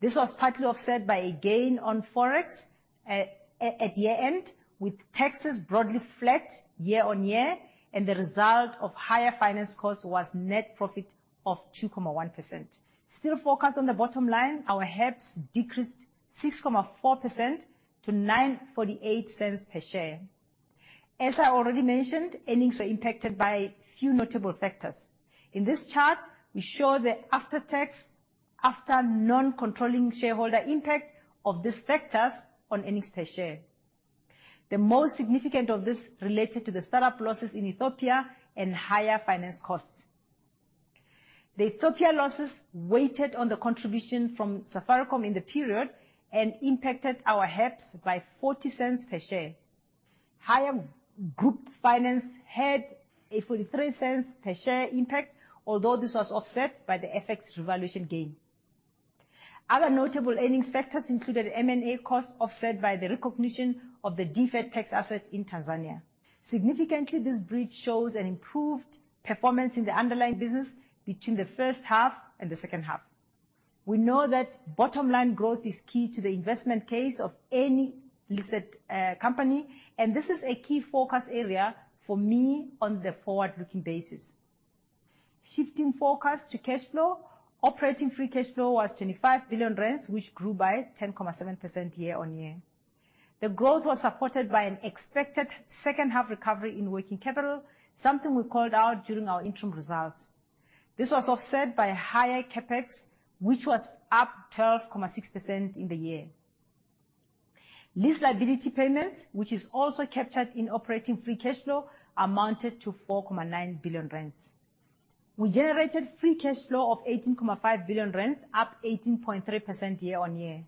This was partly offset by a gain on Forex at year-end, with taxes broadly flat year-on-year. The result of higher finance costs was net profit of 2.1%. Still focused on the bottom line, our EPS decreased 6.4% to 9.48 per share. As I already mentioned, earnings were impacted by a few notable factors. In this chart, we show the after-tax, after non-controlling shareholder impact of these factors on earnings per share. The most significant of this related to the startup losses in Ethiopia and higher finance costs. The Ethiopia losses weighed on the contribution from Safaricom in the period and impacted our EPS by 0.40 per share. Higher group finance had a 0.43 per share impact, although this was offset by the FX revaluation gain. Other notable earnings factors included M&A costs offset by the recognition of the deferred tax asset in Tanzania. Significantly, this bridge shows an improved performance in the underlying business between the first half and the second half. We know that bottom-line growth is key to the investment case of any listed company, and this is a key focus area for me on the forward-looking basis. Shifting focus to cash flow, operating free cash flow was 25 billion rand, which grew by 10.7% year-on-year. The growth was supported by an expected second half recovery in working capital, something we called out during our interim results. This was offset by higher CapEx, which was up 12.6% in the year. Lease liability payments, which is also captured in operating free cash flow, amounted to 4.9 billion rand. We generated free cash flow of 18.5 billion rand, up 18.3% year-on-year.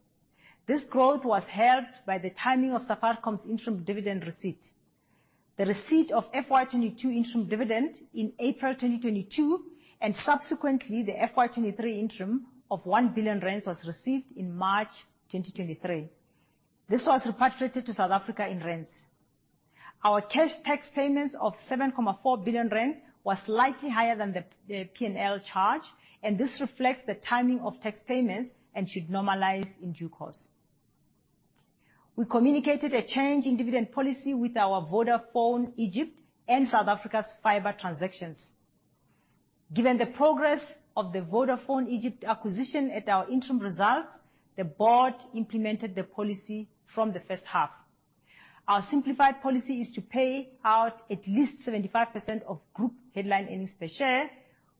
This growth was helped by the timing of Safaricom's interim dividend receipt. The receipt of FY 2022 interim dividend in April 2022 and subsequently the FY 2023 interim of 1 billion rand was received in March 2023. This was repatriated to South Africa in ZAR. Our cash tax payments of 7.4 billion rand was slightly higher than the P&L charge, and this reflects the timing of tax payments and should normalize in due course. We communicated a change in dividend policy with our Vodafone Egypt and South Africa's fiber transactions. Given the progress of the Vodafone Egypt acquisition at our interim results, the board implemented the policy from the first half. Our simplified policy is to pay out at least 75% of group headline earnings per share,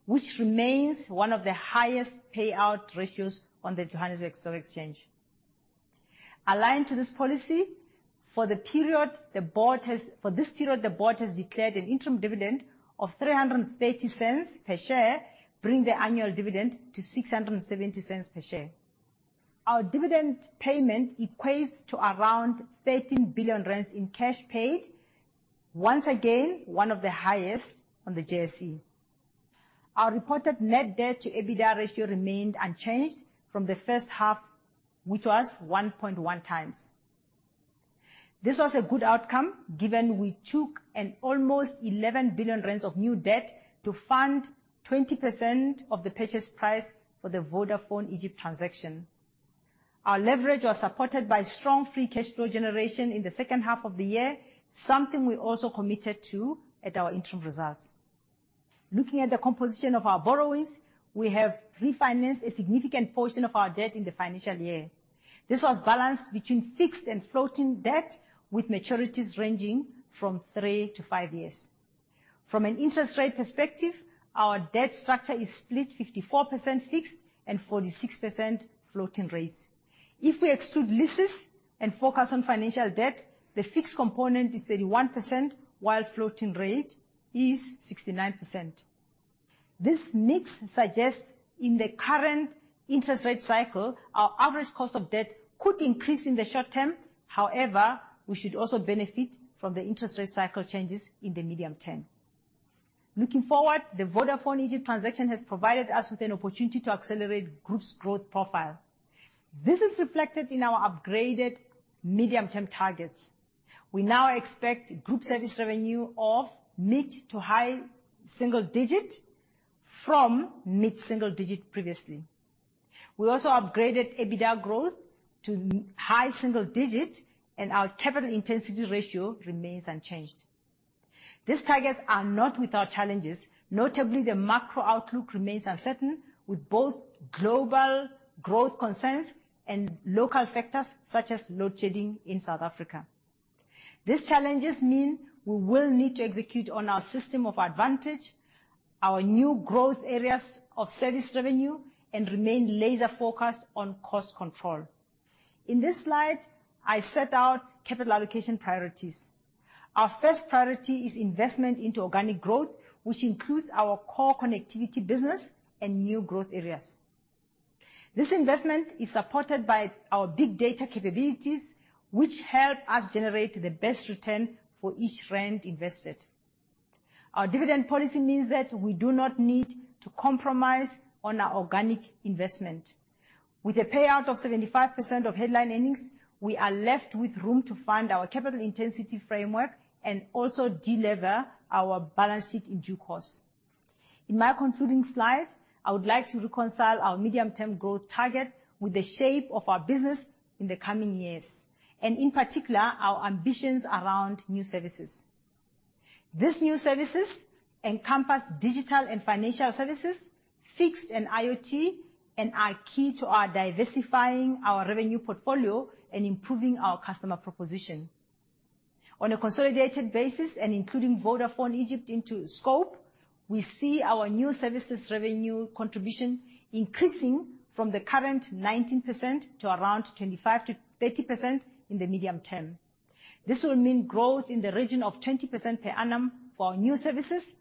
which remains one of the highest payout ratios on the Johannesburg Stock Exchange. Aligned to this policy, for this period, the board has declared an interim dividend of 3.30 per share, bringing the annual dividend to 6.70 per share. Our dividend payment equates to around 13 billion rand in cash paid, once again, one of the highest on the JSE. Our reported net debt-to-EBITDA ratio remained unchanged from the first half, which was 1.1x. This was a good outcome, given we took an almost 11 billion rand of new debt to fund 20% of the purchase price for the Vodafone Egypt transaction. Our leverage was supported by strong free cash flow generation in the second half of the year, something we also committed to at our interim results. Looking at the composition of our borrowings, we have refinanced a significant portion of our debt in the financial year. This was balanced between fixed and floating debt, with maturities ranging from 3-5 years. From an interest rate perspective, our debt structure is split 54% fixed and 46% floating rates. If we exclude leases and focus on financial debt, the fixed component is 31%, while floating rate is 69%. This mix suggests in the current interest rate cycle, our average cost of debt could increase in the short term. We should also benefit from the interest rate cycle changes in the medium term. Looking forward, the Vodafone Egypt transaction has provided us with an opportunity to accelerate group's growth profile. This is reflected in our upgraded medium-term targets. We now expect group service revenue of mid-to-high single digit from mid-single digit previously. We also upgraded EBITDA growth to high single digit, and our capital intensity ratio remains unchanged. These targets are not without challenges. Notably, the macro outlook remains uncertain, with both global growth concerns and local factors such as load shedding in South Africa. These challenges mean we will need to execute on our System of Advantage, our new growth areas of service revenue, and remain laser-focused on cost control. In this slide, I set out capital allocation priorities. Our first priority is investment into organic growth, which includes our core connectivity business and new growth areas. This investment is supported by our big data capabilities, which help us generate the best return for each ZAR invested. Our dividend policy means that we do not need to compromise on our organic investment. With a payout of 75% of headline earnings, we are left with room to fund our capital intensity framework and also delever our balance sheet in due course. In my concluding slide, I would like to reconcile our medium-term growth target with the shape of our business in the coming years, and in particular, our ambitions around new services. These new services encompass digital and financial services, fixed and IoT, and are key to our diversifying our revenue portfolio and improving our customer proposition. On a consolidated basis and including Vodafone Egypt into scope, we see our new services revenue contribution increasing from the current 19% to around 25%-30% in the medium term. This will mean growth in the region of 20% per annum for our new services,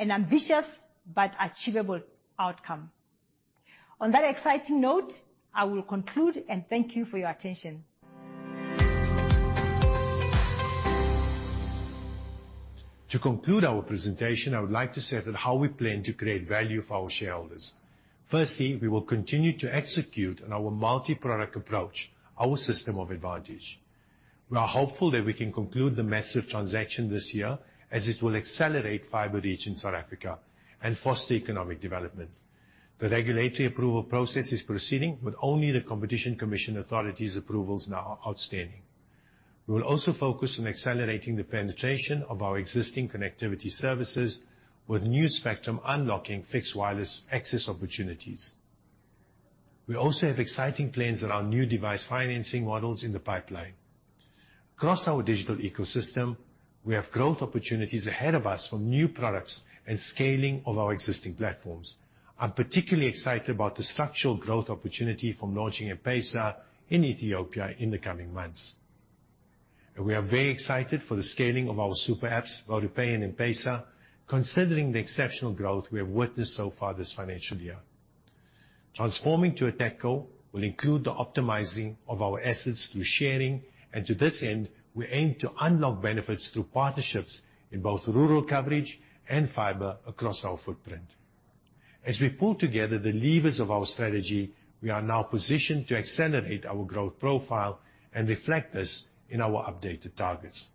an ambitious but achievable outcome. On that exciting note, I will conclude, and thank you for your attention. To conclude our presentation, I would like to set out how we plan to create value for our shareholders. Firstly, we will continue to execute on our multi-product approach, our System of Advantage. We are hopeful that we can conclude the Maziv transaction this year, as it will accelerate fiber reach in South Africa and foster economic development. The regulatory approval process is proceeding with only the Competition Commission authorities approvals now outstanding. We will also focus on accelerating the penetration of our existing connectivity services with new spectrum unlocking fixed wireless access opportunities. We also have exciting plans around new device financing models in the pipeline. Across our digital ecosystem, we have growth opportunities ahead of us from new products and scaling of our existing platforms. I'm particularly excited about the structural growth opportunity from launching M-PESA in Ethiopia in the coming months. We are very excited for the scaling of our super apps, VodaPay and M-PESA, considering the exceptional growth we have witnessed so far this financial year. Transforming to a tech co will include the optimizing of our assets through sharing. To this end, we aim to unlock benefits through partnerships in both rural coverage and fiber across our footprint. As we pull together the levers of our strategy, we are now positioned to accelerate our growth profile and reflect this in our updated targets.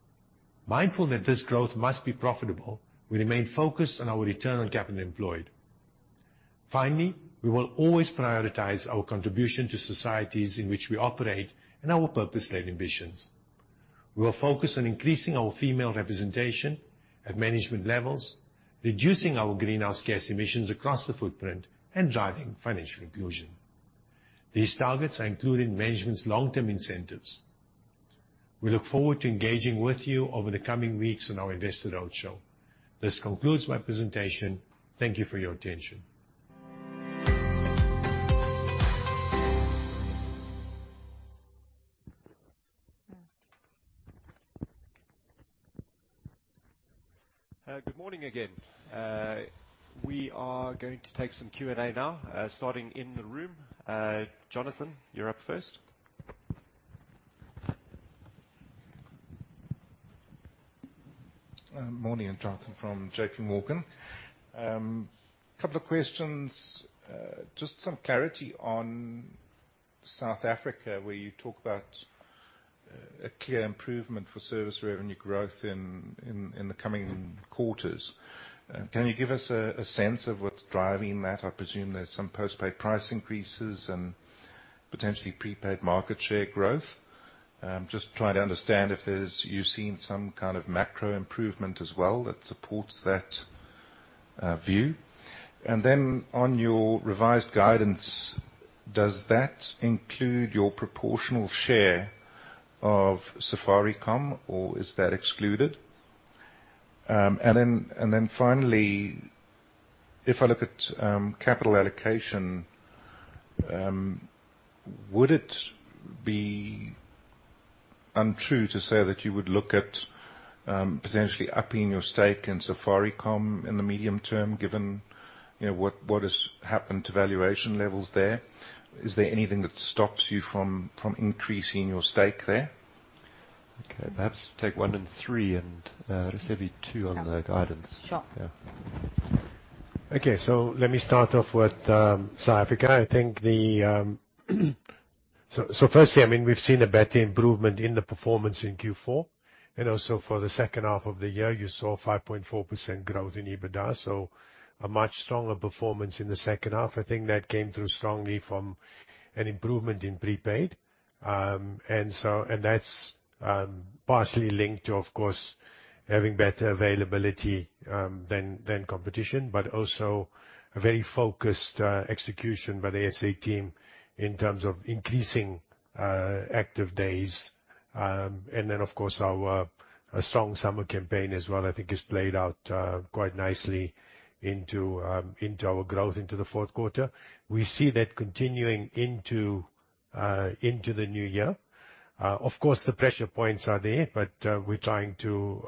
Mindful that this growth must be profitable, we remain focused on our return on capital employed. Finally, we will always prioritize our contribution to societies in which we operate and our purpose-led ambitions. We will focus on increasing our female representation at management levels, reducing our greenhouse gas emissions across the footprint, and driving financial inclusion. These targets are included in management's long-term incentives. We look forward to engaging with you over the coming weeks on our Investor Roadshow. This concludes my presentation. Thank you for your attention. Good morning again. We are going to take some Q&A now, starting in the room. Jonathan, you're up first. Morning. Jonathan from JPMorgan. Couple of questions. Just some clarity on South Africa, where you talk about a clear improvement for service revenue growth in the coming quarters. Can you give us a sense of what's driving that? I presume there's some post-pay price increases and potentially prepaid market share growth. Just trying to understand if you've seen some kind of macro improvement as well that supports that view. On your revised guidance, does that include your proportional share of Safaricom, or is that excluded? Finally, if I look at capital allocation, would it be untrue to say that you would look at potentially upping your stake in Safaricom in the medium term, given, you know, what has happened to valuation levels there? Is there anything that stops you from increasing your stake there? Okay. Perhaps take one and three, and receive two on the guidance. Sure. Yeah. Let me start off with South Africa. Firstly, I mean, we've seen a better improvement in the performance in Q4 and also for the second half of the year, you saw 5.4% growth in EBITDA. A much stronger performance in the second half. That came through strongly from an improvement in prepaid. That's partially linked to, of course, having better availability than competition, but also a very focused execution by the SA team in terms of increasing active days. Of course, our strong summer campaign as well has played out quite nicely into our growth into the fourth quarter. We see that continuing into the new year. Of course, the pressure points are there, but we're trying to,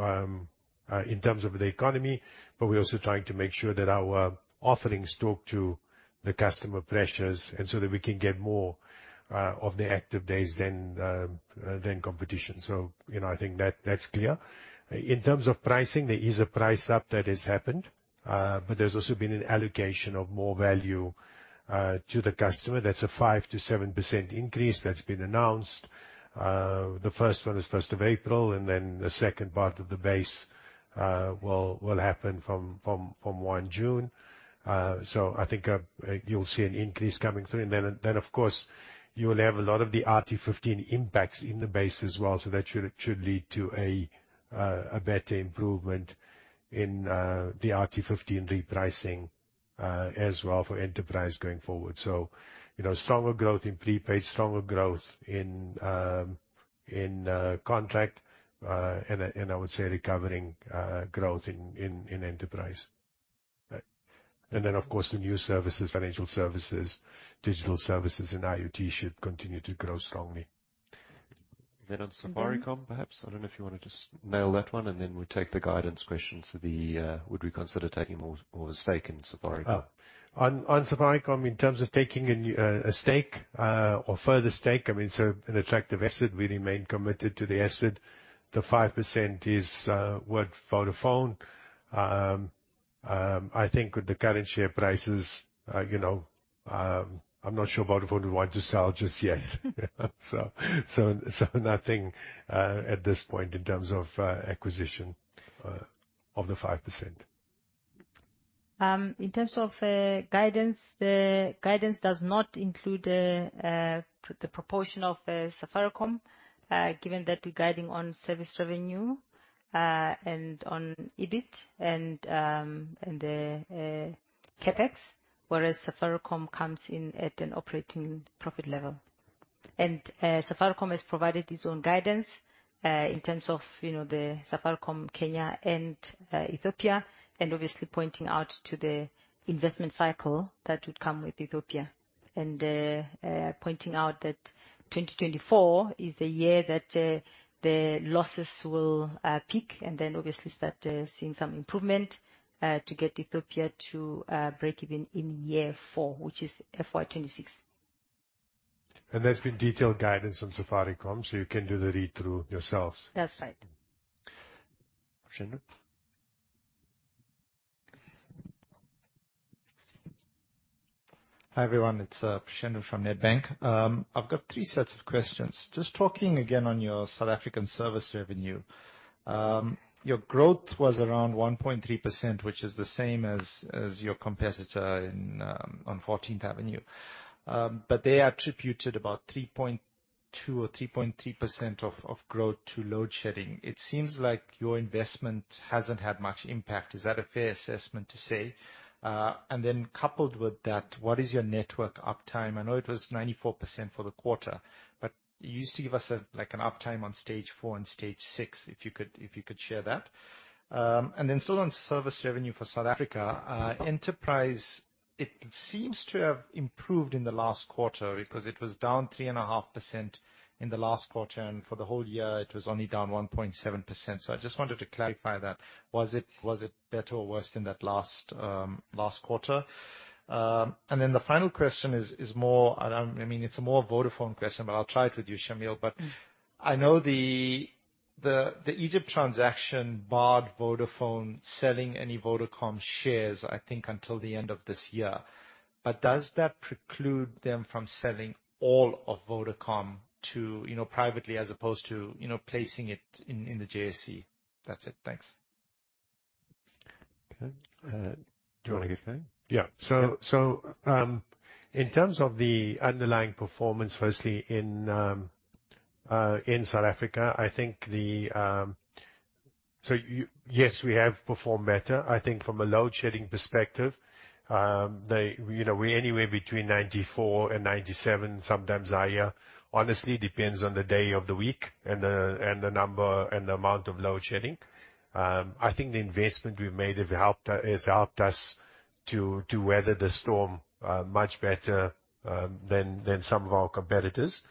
in terms of the economy, but we're also trying to make sure that our offerings talk to the customer pressures and so that we can get more of the active days than competition. You know, I think that's clear. In terms of pricing, there is a price up that has happened, but there's also been an allocation of more value to the customer. That's a 5%-7% increase that's been announced. The first one is 1st of April, and then the second part of the base will happen from 1st of June. I think you'll see an increase coming through. Of course, you will have a lot of the RT15 impacts in the base as well. That should lead to a better improvement in the RT15 repricing as well for enterprise going forward. You know, stronger growth in prepaid, stronger growth in contract, and I would say recovering growth in enterprise. Right. Of course, the new services, financial services, digital services, and IoT should continue to grow strongly. On Safaricom, perhaps. I don't know if you wanna just nail that one, and then we take the guidance question to the, would we consider taking more stake in Safaricom? On Safaricom, in terms of taking a stake or further stake, I mean, so an attractive asset, we remain committed to the asset. The 5% is with Vodafone. I think with the current share prices, you know, I'm not sure Vodafone would want to sell just yet. Nothing at this point in terms of acquisition of the 5%. In terms of guidance, the guidance does not include the proportion of Safaricom, given that we're guiding on service revenue and on EBIT and the CapEx, whereas Safaricom comes in at an operating profit level. Safaricom has provided its own guidance, in terms of, you know, the Safaricom Kenya and Ethiopia, and obviously pointing out to the investment cycle that would come with Ethiopia. Pointing out that 2024 is the year that the losses will peak and then obviously start seeing some improvement to get Ethiopia to breakeven in year four, which is FY 2026. There's been detailed guidance on Safaricom, so you can do the read-through yourselves. That's right. Preshendran? Hi, everyone. It's Preshendran from Nedbank. I've got three sets of questions. Just talking again on your South African service revenue. Your growth was around 1.3%, which is the same as your competitor in 14th Avenue. They attributed about 3.2% or 3.3% of growth to load shedding. It seems like your investment hasn't had much impact. Is that a fair assessment to say? Coupled with that, what is your network uptime? I know it was 94% for the quarter, but you used to give us a like an uptime on Stage four and Stage six, if you could share that. Still on service revenue for South Africa, enterprise, it seems to have improved in the last quarter because it was down 3.5% in the last quarter, and for the whole year it was only down 1.7%. I just wanted to clarify that. Was it better or worse than that last quarter? The final question is more... I mean, it's a more Vodafone question, but I'll try it with you, Shameel. I know the Egypt transaction barred Vodafone selling any Vodacom shares, I think, until the end of this year. Does that preclude them from selling all of Vodacom to, you know, privately as opposed to, you know, placing it in the JSE? That's it. Thanks. Do you wanna get going? Yeah. In terms of the underlying performance, firstly, in South Africa, yes, we have performed better. I think from a load shedding perspective, they, you know, we're anywhere between 94% and 97%, sometimes higher. Honestly, it depends on the day of the week and the number, and the amount of load shedding. I think the investment we've made has helped us to weather the storm much better than some of our competitors.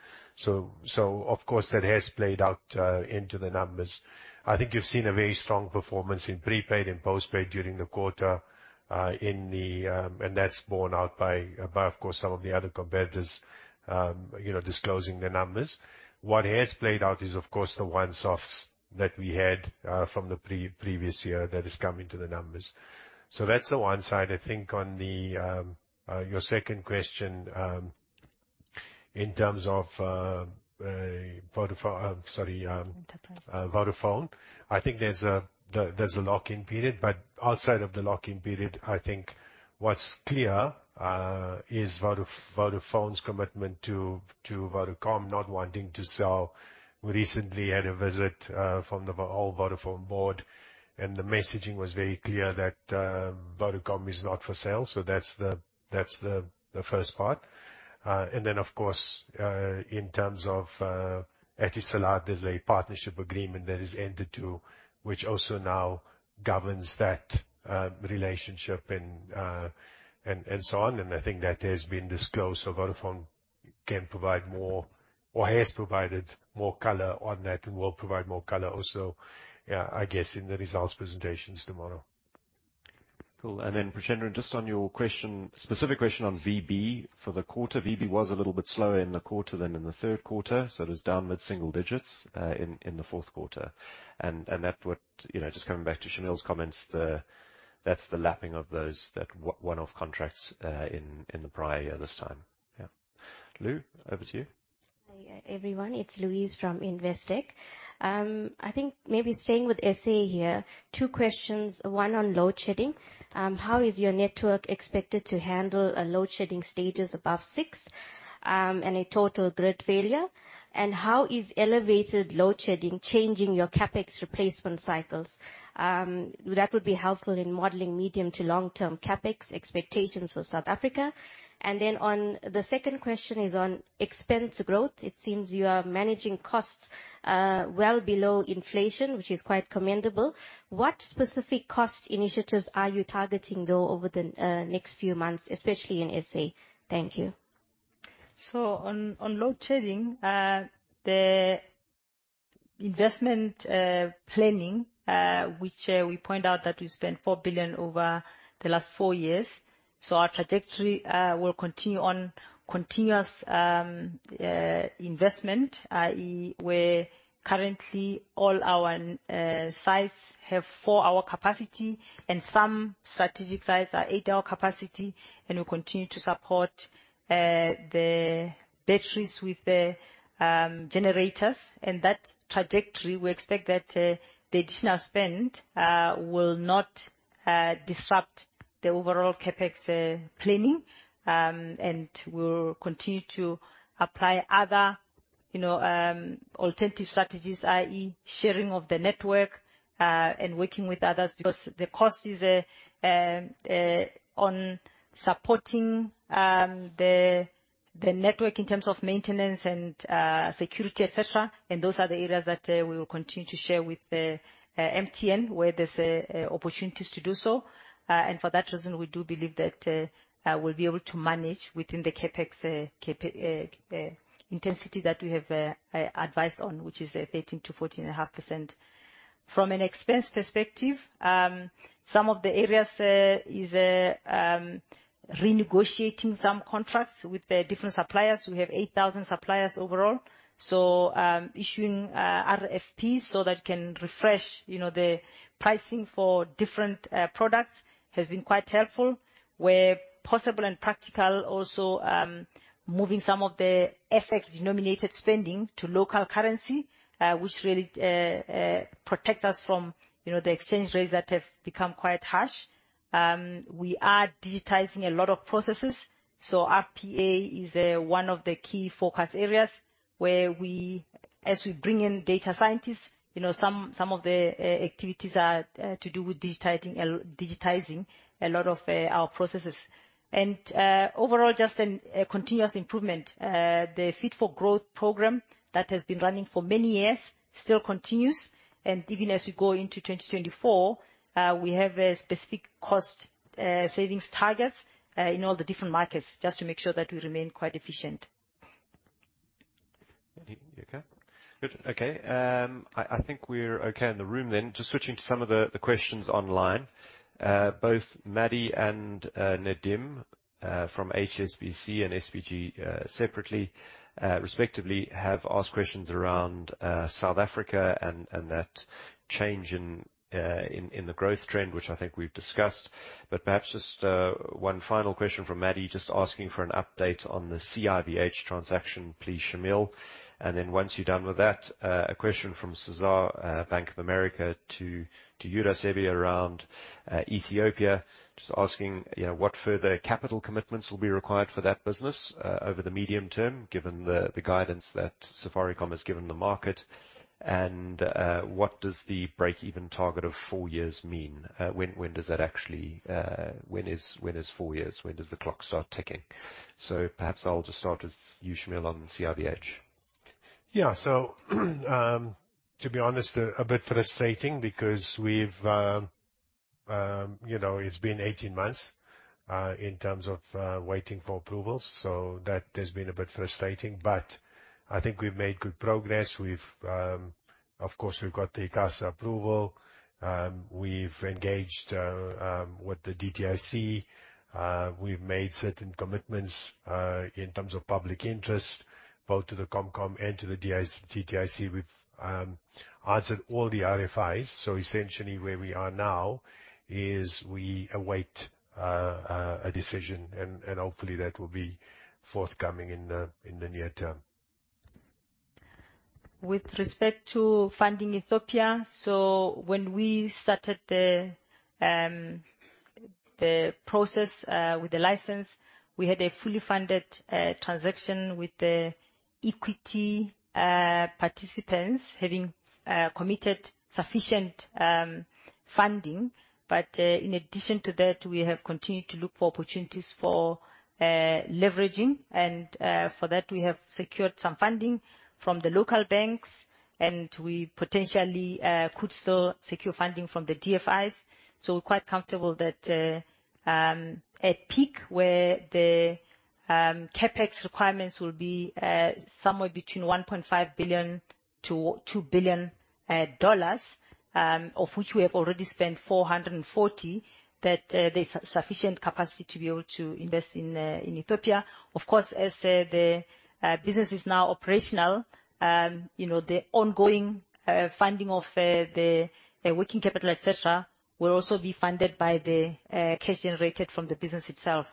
Of course, that has played out into the numbers. I think you've seen a very strong performance in prepaid and postpaid during the quarter. That's borne out by of course, some of the other competitors. you know, disclosing the numbers. What has played out is, of course, the one-offs that we had from the pre-previous year that is coming to the numbers. That's the one side. I think on your second question, in terms of Vodafone. Sorry, Enterprise. Vodafone, I think there's a lock-in period. Outside of the lock-in period, I think what's clear is Vodafone's commitment to Vodacom not wanting to sell. We recently had a visit from the whole Vodafone board. The messaging was very clear that Vodacom is not for sale. That's the first part. Then of course, in terms of Etisalat, there's a partnership agreement that is entered to, which also now governs that relationship and so on. I think that has been disclosed. Vodafone can provide more or has provided more color on that and will provide more color also, I guess, in the results presentations tomorrow. Cool. Preshendran, just on your question, specific question on VB for the quarter. VB was a little bit slower in the quarter than in the third quarter, it was down mid-single digits in the fourth quarter. That would, you know, just coming back to Shameel's comments, that's the lapping of those, that one-off contracts in the prior year this time. Yeah. Lou, over to you. Hi, everyone. It's Louise from Investec. I think maybe staying with SA here, two questions, one on load shedding. How is your network expected to handle a load shedding stages above six, and a total grid failure? How is elevated load shedding changing your CapEx replacement cycles? That would be helpful in modeling medium to long term CapEx expectations for South Africa. On the second question is on expense growth. It seems you are managing costs well below inflation, which is quite commendable. What specific cost initiatives are you targeting, though, over the next few months, especially in SA? Thank you. On load shedding, the investment planning, which we point out that we spent 4 billion over the last four years. Our trajectory will continue on continuous investment, i.e. where currently all our sites have four-hour capacity and some strategic sites are 8-hour capacity. We continue to support the batteries with the generators. That trajectory, we expect that the additional spend will not disrupt the overall CapEx planning. We'll continue to apply other, you know, alternative strategies, i.e. sharing of the network and working with others because the cost is on supporting the network in terms of maintenance and security, et cetera. Those are the areas that we will continue to share with the MTN, where there's opportunities to do so. For that reason, we do believe that we'll be able to manage within the CapEx intensity that we have advised on, which is 13%-14.5%. From an expense perspective, some of the areas is renegotiating some contracts with the different suppliers. We have 8,000 suppliers overall. Issuing RFPs so that can refresh, you know, the pricing for different products has been quite helpful. Where possible and practical also, moving some of the FX denominated spending to local currency, which really protects us from, you know, the exchange rates that have become quite harsh. We are digitizing a lot of processes, so RPA is one of the key focus areas as we bring in data scientists, you know, some of the activities are to do with digitizing a lot of our processes. Overall just a continuous improvement. The Fit for Growth program that has been running for many years still continues. Even as we go into 2024, we have specific cost savings targets in all the different markets just to make sure that we remain quite efficient. Okay. Good. Okay. I think we're okay in the room then. Just switching to some of the questions online. Both Maddy and Nadim from HSBC and SBG separately, respectively, have asked questions around South Africa and that change in the growth trend, which I think we've discussed. Perhaps just one final question from Maddy, just asking for an update on the CIVH transaction, please, Shameel. Once you're done with that, a question from Cesar, Bank of America to you, Raisibe, around Ethiopia. Just asking, you know, what further capital commitments will be required for that business over the medium term, given the guidance that Safaricom has given the market. What does the break even target of four years mean? When does that actually, when is four years? When does the clock start ticking? Perhaps I'll just start with you, Shameel, on CIVH. Yeah. To be honest, a bit frustrating because we've, you know, it's been 18 months in terms of waiting for approvals, so that has been a bit frustrating. I think we've made good progress. We've. Of course, we've got the ICASA approval. We've engaged with the DTIC. We've made certain commitments in terms of public interest, both to the Comcom and to the DTIC. We've answered all the RFIs. Essentially where we are now is we await a decision and hopefully that will be forthcoming in the near term. With respect to funding Ethiopia, when we started the process with the license, we had a fully funded transaction with the equity participants having committed sufficient funding. In addition to that, we have continued to look for opportunities for leveraging. For that, we have secured some funding from the local banks, and we potentially could still secure funding from the DFIs. We're quite comfortable that at peak where the CapEx requirements will be somewhere between $1.5 billion-2 billion, of which we have already spent $440, there's sufficient capacity to be able to invest in Ethiopia. Of course, as the business is now operational, you know, the ongoing funding of the working capital, et cetera, will also be funded by the cash generated from the business itself.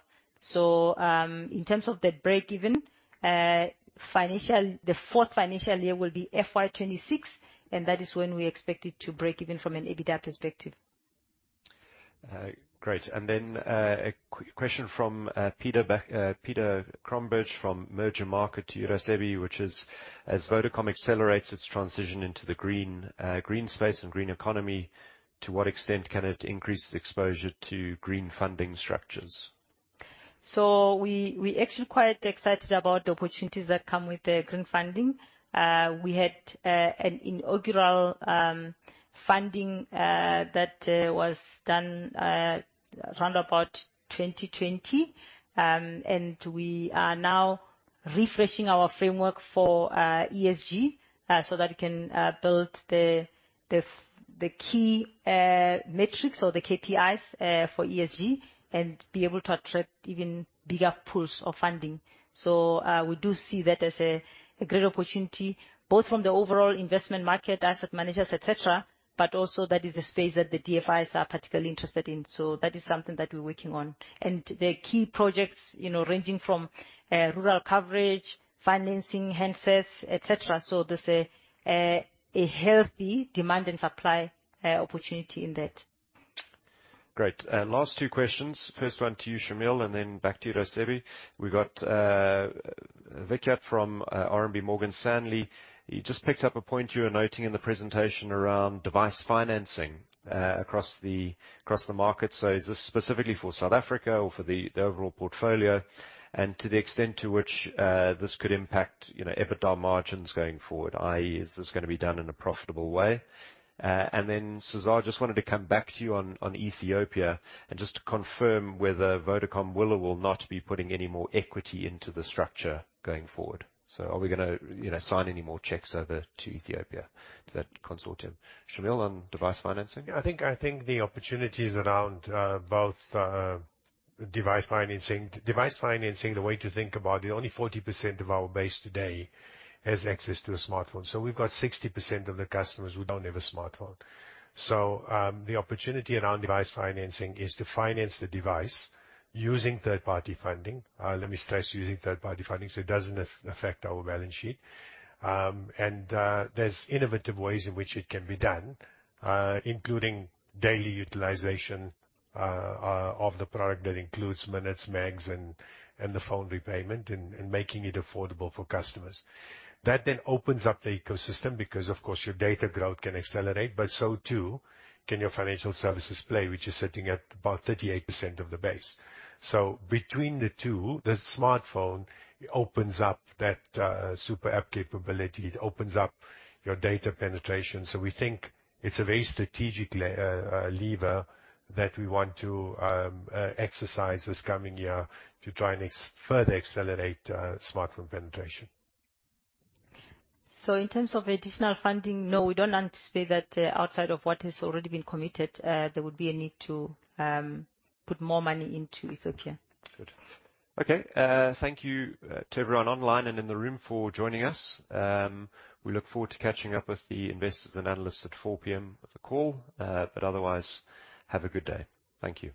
In terms of the break even, financial, the fourth financial year will be FY 2026, and that is when we expect it to break even from an EBITDA perspective. Great. A question from Peter Cromberge from Mergermarket to Raisibe, which is, as Vodacom accelerates its transition into the green space and green economy, to what extent can it increase the exposure to green funding structures? We actually quite excited about the opportunities that come with the green funding. We had an inaugural funding that was done around about 2020. We are now refreshing our framework for ESG so that we can build the key metrics or the KPIs for ESG and be able to attract even bigger pools of funding. We do see that as a great opportunity, both from the overall investment market, asset managers, et cetera, but also that is the space that the DFIs are particularly interested in. That is something that we're working on. The key projects, you know, ranging from rural coverage, financing handsets, et cetera. There's a healthy demand and supply opportunity in that. Great. Last two questions. First one to you, Shameel, then back to you, Raisibe. We've got Vikhyat from RMB Morgan Stanley. He just picked up a point you were noting in the presentation around device financing across the market. Is this specifically for South Africa or for the overall portfolio? To the extent to which this could impact, you know, EBITDA margins going forward, i.e., is this gonna be done in a profitable way? Then, Cesar, just wanted to come back to you on Ethiopia and just to confirm whether Vodacom will or will not be putting any more equity into the structure going forward. Are we gonna, you know, sign any more checks over to Ethiopia, to that consortium? Shameel, on device financing. I think the opportunities around both device financing. Device financing, the way to think about it, only 40% of our base today has access to a smartphone. We've got 60% of the customers who don't have a smartphone. The opportunity around device financing is to finance the device using third-party funding. Let me stress, using third-party funding, so it doesn't affect our balance sheet. There's innovative ways in which it can be done, including daily utilization of the product. That includes minutes, megs, and the phone repayment and making it affordable for customers. That then opens up the ecosystem because of course, your data growth can accelerate, but so too can your financial services play, which is sitting at about 38% of the base. Between the two, the smartphone opens up that super app capability. It opens up your data penetration. We think it's a very strategic lever that we want to exercise this coming year to try and further accelerate smartphone penetration. In terms of additional funding, no, we don't anticipate that, outside of what has already been committed, there would be a need to put more money into Ethiopia. Good. Okay, thank you to everyone online and in the room for joining us. We look forward to catching up with the investors and analysts at 4:00 P.M. of the call. Otherwise, have a good day. Thank you.